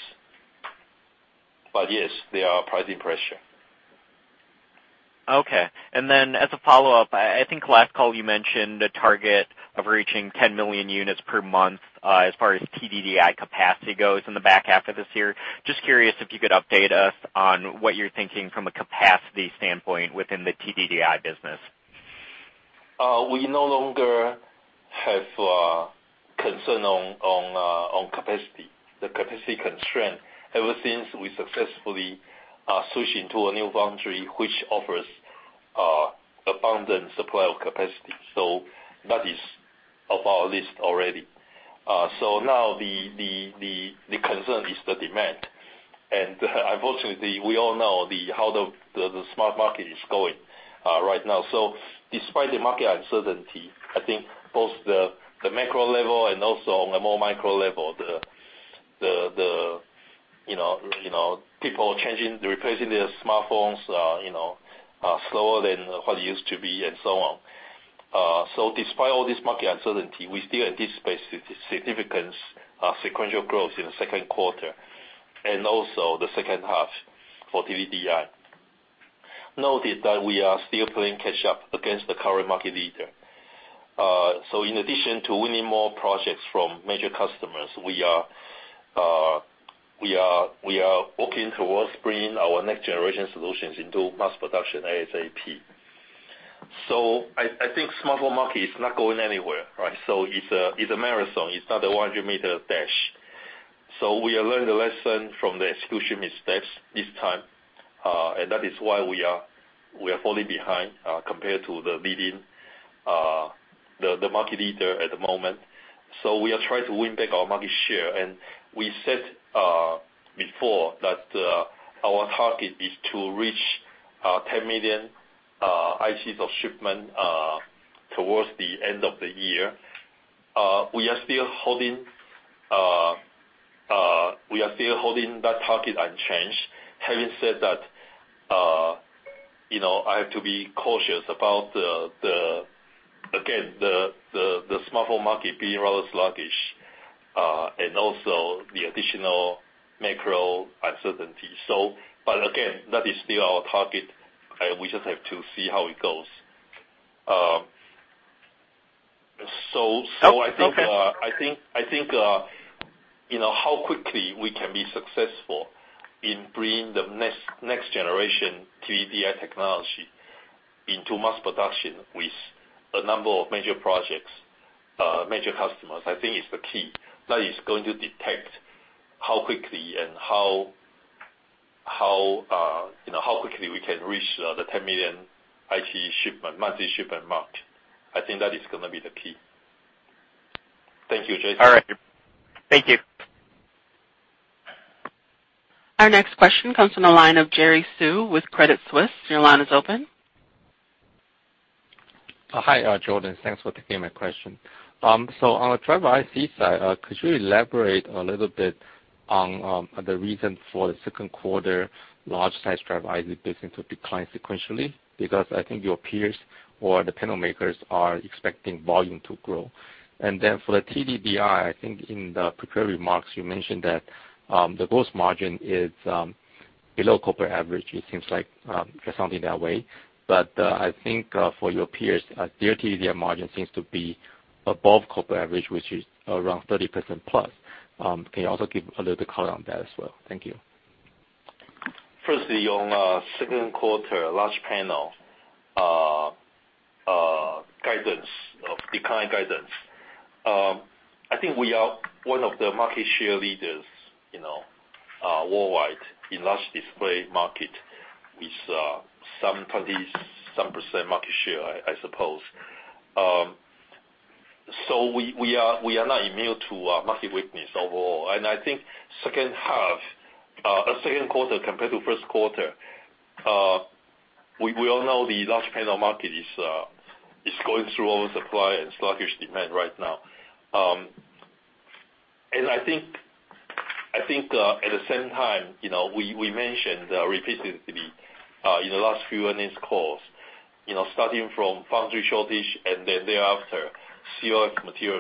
Yes, there are pricing pressure. Okay. As a follow-up, I think last call you mentioned a target of reaching 10 million units per month, as far as TDDI capacity goes in the back half of this year. Just curious if you could update us on what you're thinking from a capacity standpoint within the TDDI business. We no longer have concern on capacity, the capacity constraint, ever since we successfully switched into a new foundry, which offers abundant supply of capacity. That is off our list already. Now the concern is the demand. Unfortunately, we all know how the smartphone market is going right now. Despite the market uncertainty, I think both the macro level and also on a more micro level, the people replacing their smartphones are slower than what it used to be, and so on. Despite all this market uncertainty, we still anticipate significant sequential growth in the second quarter and also the second half for TDDI. Note that we are still playing catch up against the current market leader. In addition to winning more projects from major customers, we are working towards bringing our next generation solutions into mass production ASAP. I think smartphone market is not going anywhere, right? It's a marathon. It's not a 100-meter dash. We are learning the lesson from the execution missteps this time. That is why we are falling behind compared to the market leader at the moment. We are trying to win back our market share. We said before that our target is to reach 10 million ICs of shipment towards the end of the year. We are still holding that target unchanged. Having said that, I have to be cautious about, again, the smartphone market being rather sluggish, and also the additional macro uncertainty. Again, that is still our target, and we just have to see how it goes. Okay. I think how quickly we can be successful in bringing the next generation TDDI technology into mass production with a number of major projects, major customers, I think is the key. That is going to detect how quickly we can reach the 10 million IC monthly shipment mark. I think that is going to be the key. Thank you, Jaeson. All right. Thank you. Our next question comes from the line of Jerry Su with Credit Suisse. Your line is open. Hi, Jordan. Thanks for taking my question. On the driver IC side, could you elaborate a little bit on the reason for the second quarter large size driver IC business to decline sequentially? I think your peers or the panel makers are expecting volume to grow. For the TDDI, I think in the prepared remarks, you mentioned that the gross margin is below corporate average, it seems like, or something that way. I think, for your peers, their TDDI margin seems to be above corporate average, which is around 30%+. Can you also give a little color on that as well? Thank you. Firstly, on second quarter large panel decline guidance. I think we are one of the market share leaders worldwide in large display market, with some 20-some% market share, I suppose. We are not immune to market weakness overall. I think second quarter compared to first quarter, we all know the large panel market is going through oversupply and sluggish demand right now. I think at the same time, we mentioned repeatedly in the last few earnings calls, starting from foundry shortage and then thereafter COF material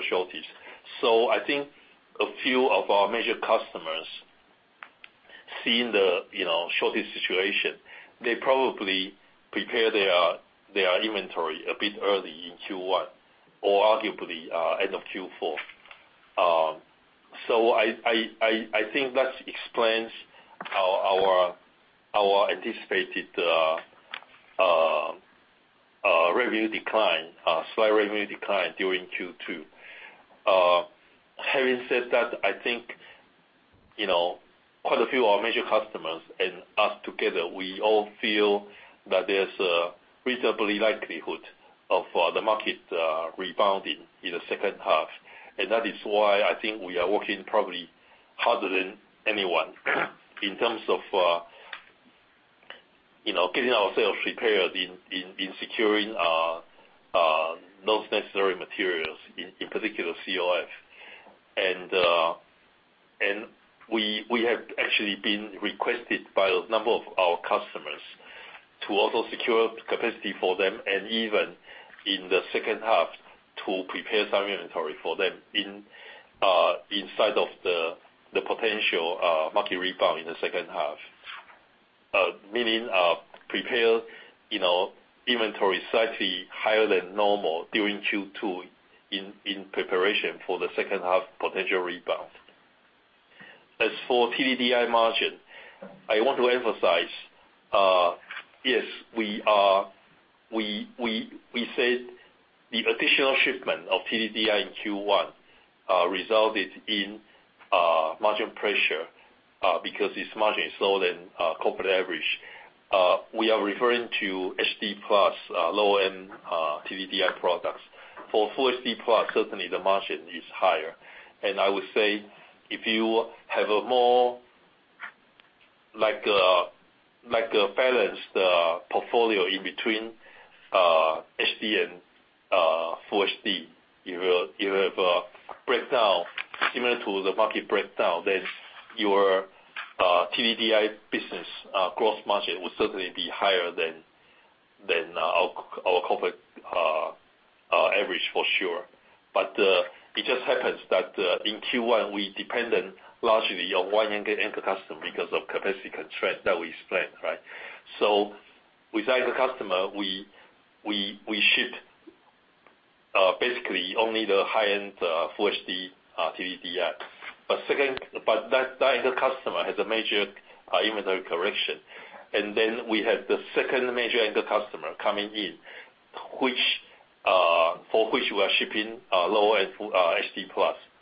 shortage. I think a few of our major customers seeing the shortage situation, they probably prepare their inventory a bit early in Q1 or arguably end of Q4. I think that explains our anticipated slight revenue decline during Q2. Having said that, I think quite a few of our major customers and us together, we all feel that there's a reasonable likelihood of the market rebounding in the second half. That is why I think we are working probably harder than anyone in terms of getting ourselves prepared in securing those necessary materials, in particular, COF. We have actually been requested by a number of our customers to also secure capacity for them, and even in the second half, to prepare some inventory for them inside of the potential market rebound in the second half. Meaning, prepare inventory slightly higher than normal during Q2 in preparation for the second half potential rebound. As for TDDI margin, I want to emphasize, yes, we said the additional shipment of TDDI in Q1 resulted in margin pressure, because its margin is lower than corporate average. We are referring to HD+ low-end TDDI products. For Full HD+, certainly the margin is higher. I would say, if you have a more balanced portfolio in between HD and Full HD, you have a breakdown similar to the market breakdown. Your TDDI business gross margin will certainly be higher than our corporate average for sure. It just happens that in Q1, we depended largely on one anchor customer because of capacity constraint that we explained. Right? With that anchor customer, we shipped basically only the high-end Full HD+ TDDI. That anchor customer has a major inventory correction. Then we have the second major anchor customer coming in, for which we are shipping low-end HD+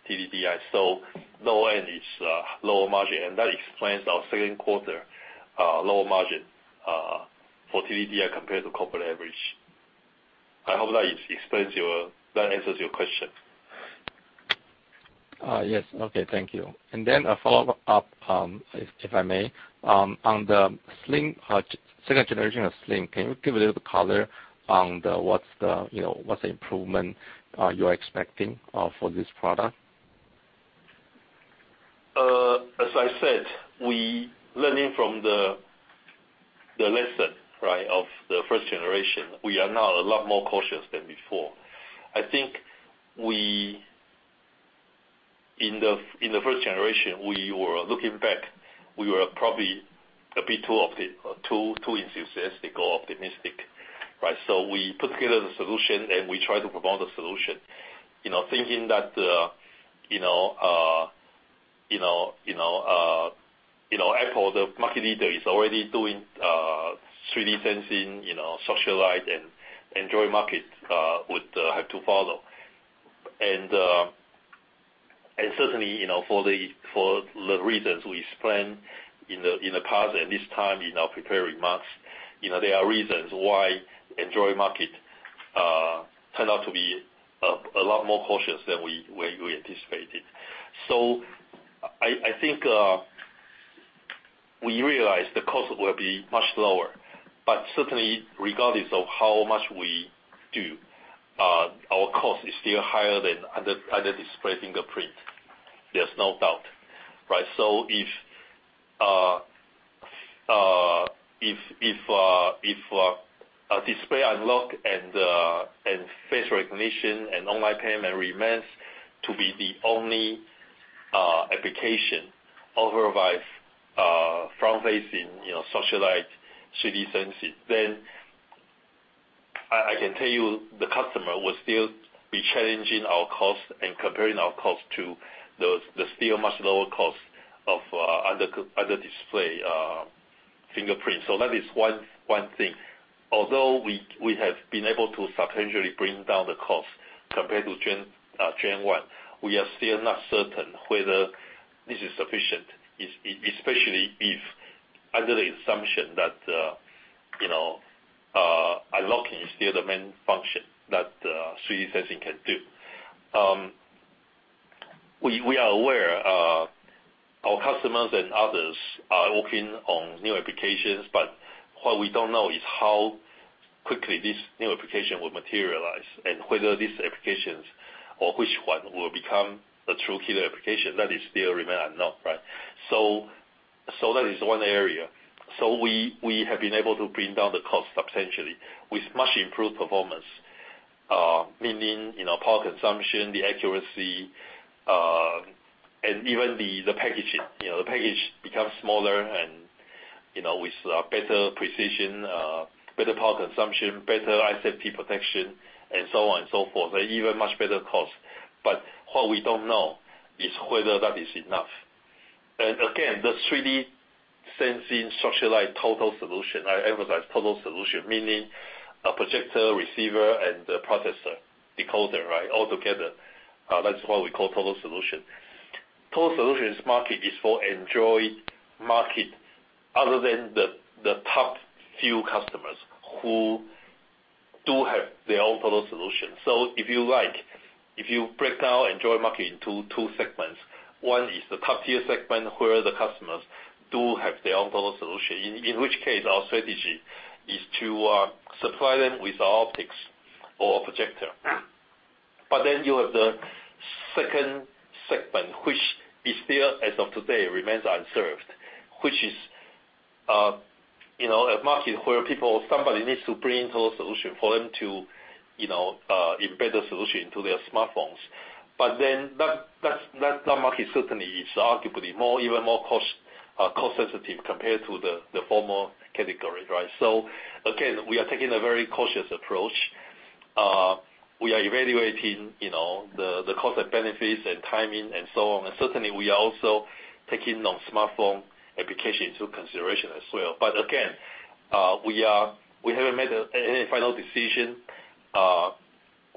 TDDI. Low end is lower margin, and that explains our second quarter lower margin for TDDI compared to corporate average. I hope that answers your question. Yes. Okay. Thank you. Then a follow-up, if I may. On the second generation of Slim, can you give a little color on what improvement you are expecting for this product? As I said, we learning from the lesson of the first generation. We are now a lot more cautious than before. I think in the first generation, looking back, we were probably a bit too enthusiastic or optimistic. Right. We put together the solution, we try to promote the solution, thinking that Apple, the market leader, is already doing 3D sensing, structured light, Android market would have to follow. Certainly, for the reasons we explained in the past and this time in our prepared remarks, there are reasons why Android market turned out to be a lot more cautious than we anticipated. I think, we realized the cost will be much lower, but certainly, regardless of how much we do, our cost is still higher than other display fingerprint. There's no doubt. Right. If display unlock and face recognition and online payment remains to be the only application, otherwise, front-facing structured light, 3D sensing, I can tell you, the customer will still be challenging our cost and comparing our cost to the still much lower cost of other display fingerprint. That is one thing. Although we have been able to substantially bring down the cost compared to gen one, we are still not certain whether this is sufficient, especially if under the assumption that unlocking is still the main function that 3D sensing can do. We are aware our customers and others are working on new applications, but what we don't know is how quickly this new application will materialize and whether these applications or which one will become a true killer application. That still remains unknown, right. That is one area. We have been able to bring down the cost substantially with much improved performance, meaning, power consumption, the accuracy, and even the packaging. The package becomes smaller and with better precision, better power consumption, better IP protection, and so on and so forth, and even much better cost. What we don't know is whether that is enough. Again, the 3D sensing structured light total solution, I emphasize total solution, meaning a projector, receiver, and a processor decoder, all together. That's what we call total solution. Total solutions market is for Android market other than the top few customers who do have their own total solution. If you like, if you break down Android market into two segments, one is the top-tier segment, where the customers do have their own total solution, in which case our strategy is to supply them with our optics or projector. You have the second segment, which still as of today remains unserved, which is a market where somebody needs to bring total solution for them to embed the solution into their smartphones. That market certainly is arguably even more cost sensitive compared to the former category. Right. Again, we are taking a very cautious approach. We are evaluating the cost and benefits and timing and so on. Certainly, we are also taking on smartphone application into consideration as well. Again, we haven't made any final decision.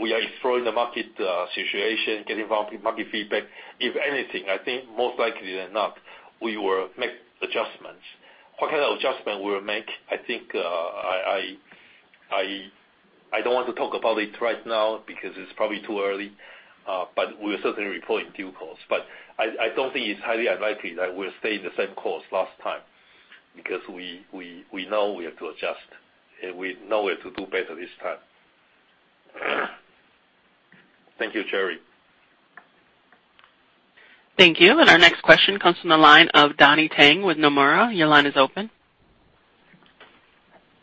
We are exploring the market situation, getting involved in market feedback. If anything, I think most likely than not, we will make adjustments. What kind of adjustment we'll make, I think I don't want to talk about it right now because it's probably too early. We are certainly reporting due course. I don't think it's highly unlikely that we'll stay the same course last time, because we know we have to adjust, and we know where to do better this time. Thank you, Jerry. Thank you. Our next question comes from the line of Donnie Teng with Nomura. Your line is open.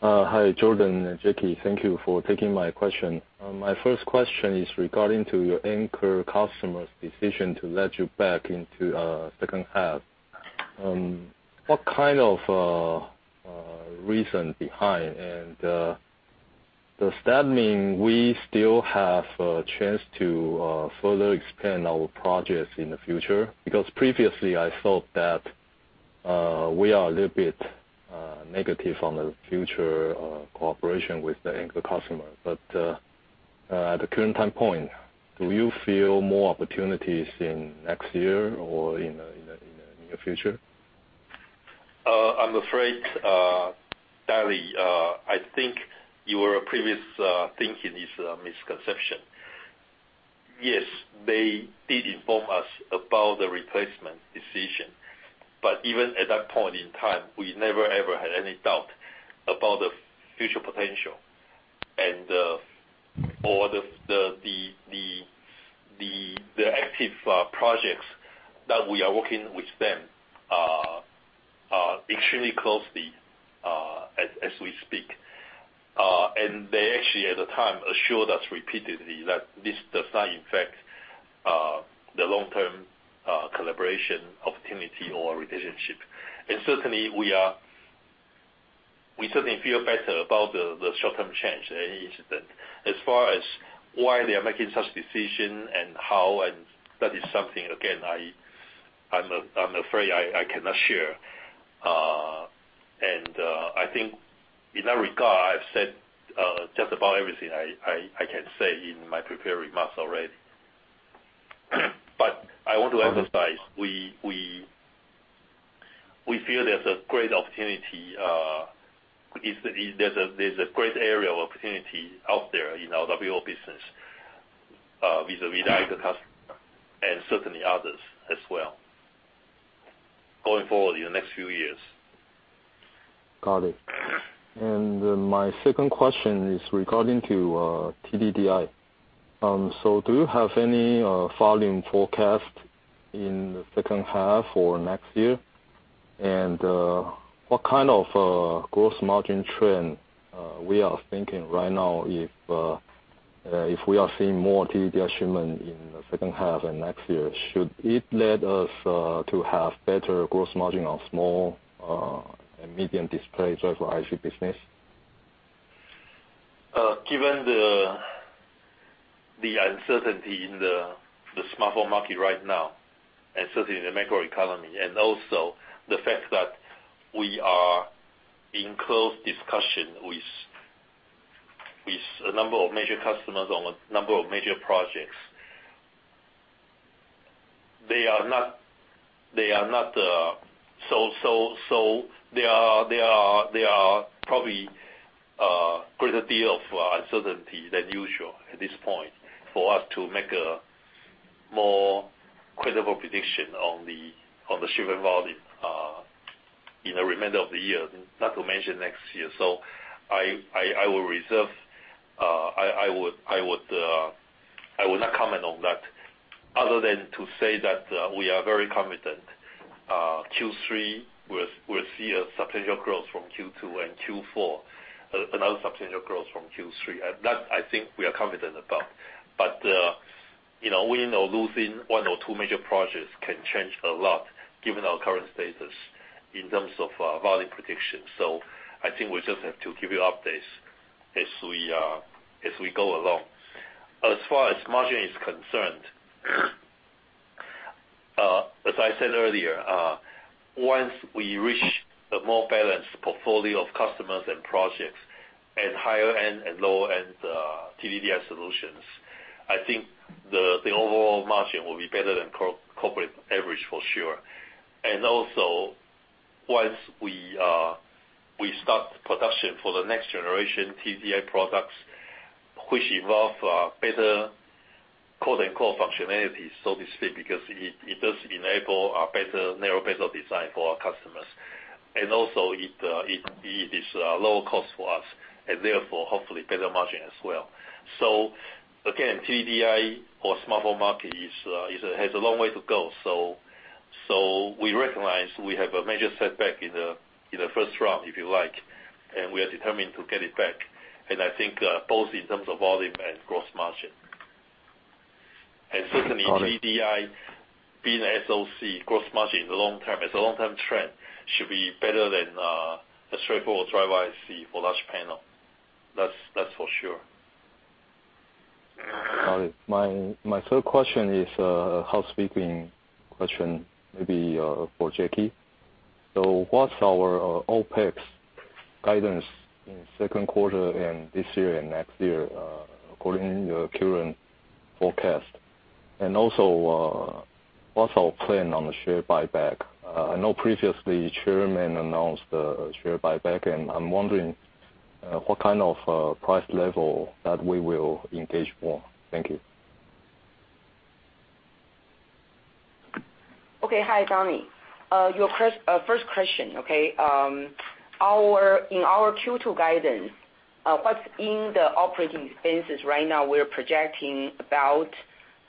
Hi, Jordan and Jackie. Thank you for taking my question. My first question is regarding to your anchor customer's decision to let you back into second half. What kind of reason behind? Does that mean we still have a chance to further expand our projects in the future? Previously I thought that we are a little bit negative on the future cooperation with the anchor customer. At the current time point, do you feel more opportunities in next year or in the near future? I'm afraid, Donnie, I think your previous thinking is a misconception. Yes, they did inform us about the replacement decision, even at that point in time, we never ever had any doubt about the future potential and all the active projects that we are working with them are extremely closely as we speak. They actually, at the time, assured us repeatedly that this does not impact the long-term collaboration opportunity or relationship. We certainly feel better about the short-term change. As far as why they are making such decision and how, that is something, again, I'm afraid I cannot share. I think in that regard, I've said just about everything I can say in my prepared remarks already. I want to emphasize, we feel there's a great area of opportunity out there in our WLO business, vis-à-vis the anchor customer and certainly others as well, going forward in the next few years. Got it. My second question is regarding to TDDI. Do you have any volume forecast in the second half or next year? What kind of gross margin trend we are thinking right now if we are seeing more TDDI shipment in the second half and next year? Should it lead us to have better gross margin on small and medium display driver IC business? Given the uncertainty in the smartphone market right now, and certainly the macroeconomy, and also the fact that we are in close discussion with a number of major customers on a number of major projects. There are probably greater deal of uncertainty than usual at this point for us to make a more credible prediction on the shipment volume in the remainder of the year, not to mention next year. I will not comment on that other than to say that we are very confident. Q3 will see a substantial growth from Q2 and Q4, another substantial growth from Q3. That, I think, we are confident about. Winning or losing one or two major projects can change a lot given our current status in terms of volume prediction. I think we just have to give you updates as we go along. As far as margin is concerned, as I said earlier, once we reach a more balanced portfolio of customers and projects and higher-end and lower-end TDDI solutions, I think the overall margin will be better than corporate average for sure. Also, once we start production for the next generation TDDI products, which involve better code and core functionalities, so to speak, because it does enable a narrow better design for our customers. Also, it is lower cost for us, and therefore, hopefully better margin as well. Again, TDDI or smartphone market has a long way to go. We recognize we have a major setback in the first round, if you like. We are determined to get it back. I think both in terms of volume and gross margin. Certainly, TDDI being an SOC gross margin in the long term, it's a long-term trend, should be better than a straightforward driver IC for large panel. That's for sure. Got it. My third question is a housecleaning question, maybe for Jackie. What's our OpEx guidance in the second quarter in this year and next year, according to your current forecast? Also, what's our plan on the share buyback? I know previously, the chairman announced a share buyback, and I'm wondering what kind of price level that we will engage for. Thank you. Okay. Hi, Donnie. Your first question, okay. In our Q2 guidance, what's in the operating expenses right now, we're projecting about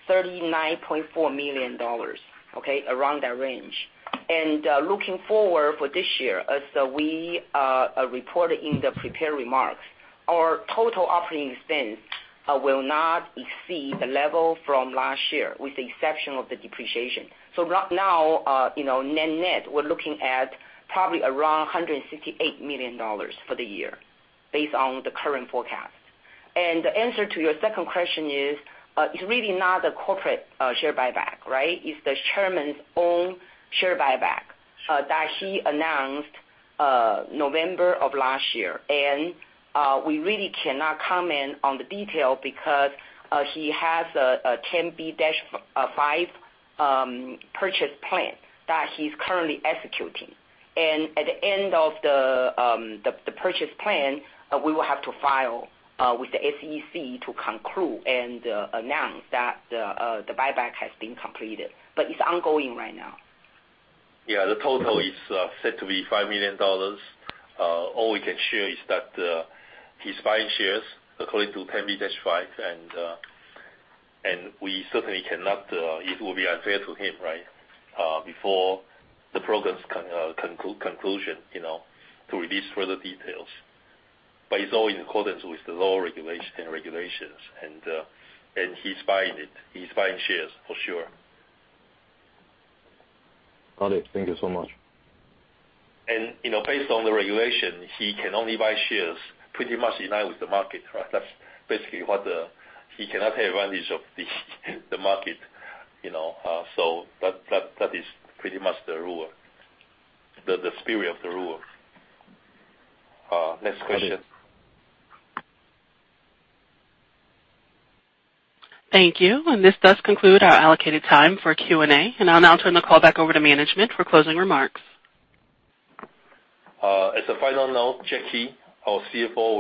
$39.4 million, around that range. Looking forward for this year, as we reported in the prepared remarks, our total operating expense will not exceed the level from last year, with the exception of the depreciation. Right now, net net, we're looking at probably around $168 million for the year based on the current forecast. The answer to your second question is, it's really not a corporate share buyback, right? It's the chairman's own share buyback that he announced November of last year. We really cannot comment on the detail because he has a 10b-5 purchase plan that he's currently executing. At the end of the purchase plan, we will have to file with the SEC to conclude and announce that the buyback has been completed. It's ongoing right now. Yeah, the total is said to be 5 million dollars. All we can share is that he's buying shares according to 10b-5, and we certainly cannot. It will be unfair to him, before the program's conclusion, to release further details. It's all in accordance with the law and regulations, and he's buying it. He's buying shares, for sure. Got it. Thank you so much. Based on the regulation, he can only buy shares pretty much in line with the market. That's basically. He cannot take advantage of the market. That is pretty much the rule, the spirit of the rule. Next question. Got it. Thank you. This does conclude our allocated time for Q&A, I'll now turn the call back over to management for closing remarks. As a final note, Jackie, our CFO,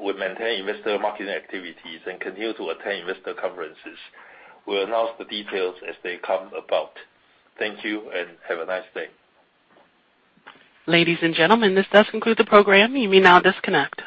will maintain investor marketing activities and continue to attend investor conferences. We'll announce the details as they come about. Thank you, have a nice day. Ladies and gentlemen, this does conclude the program. You may now disconnect.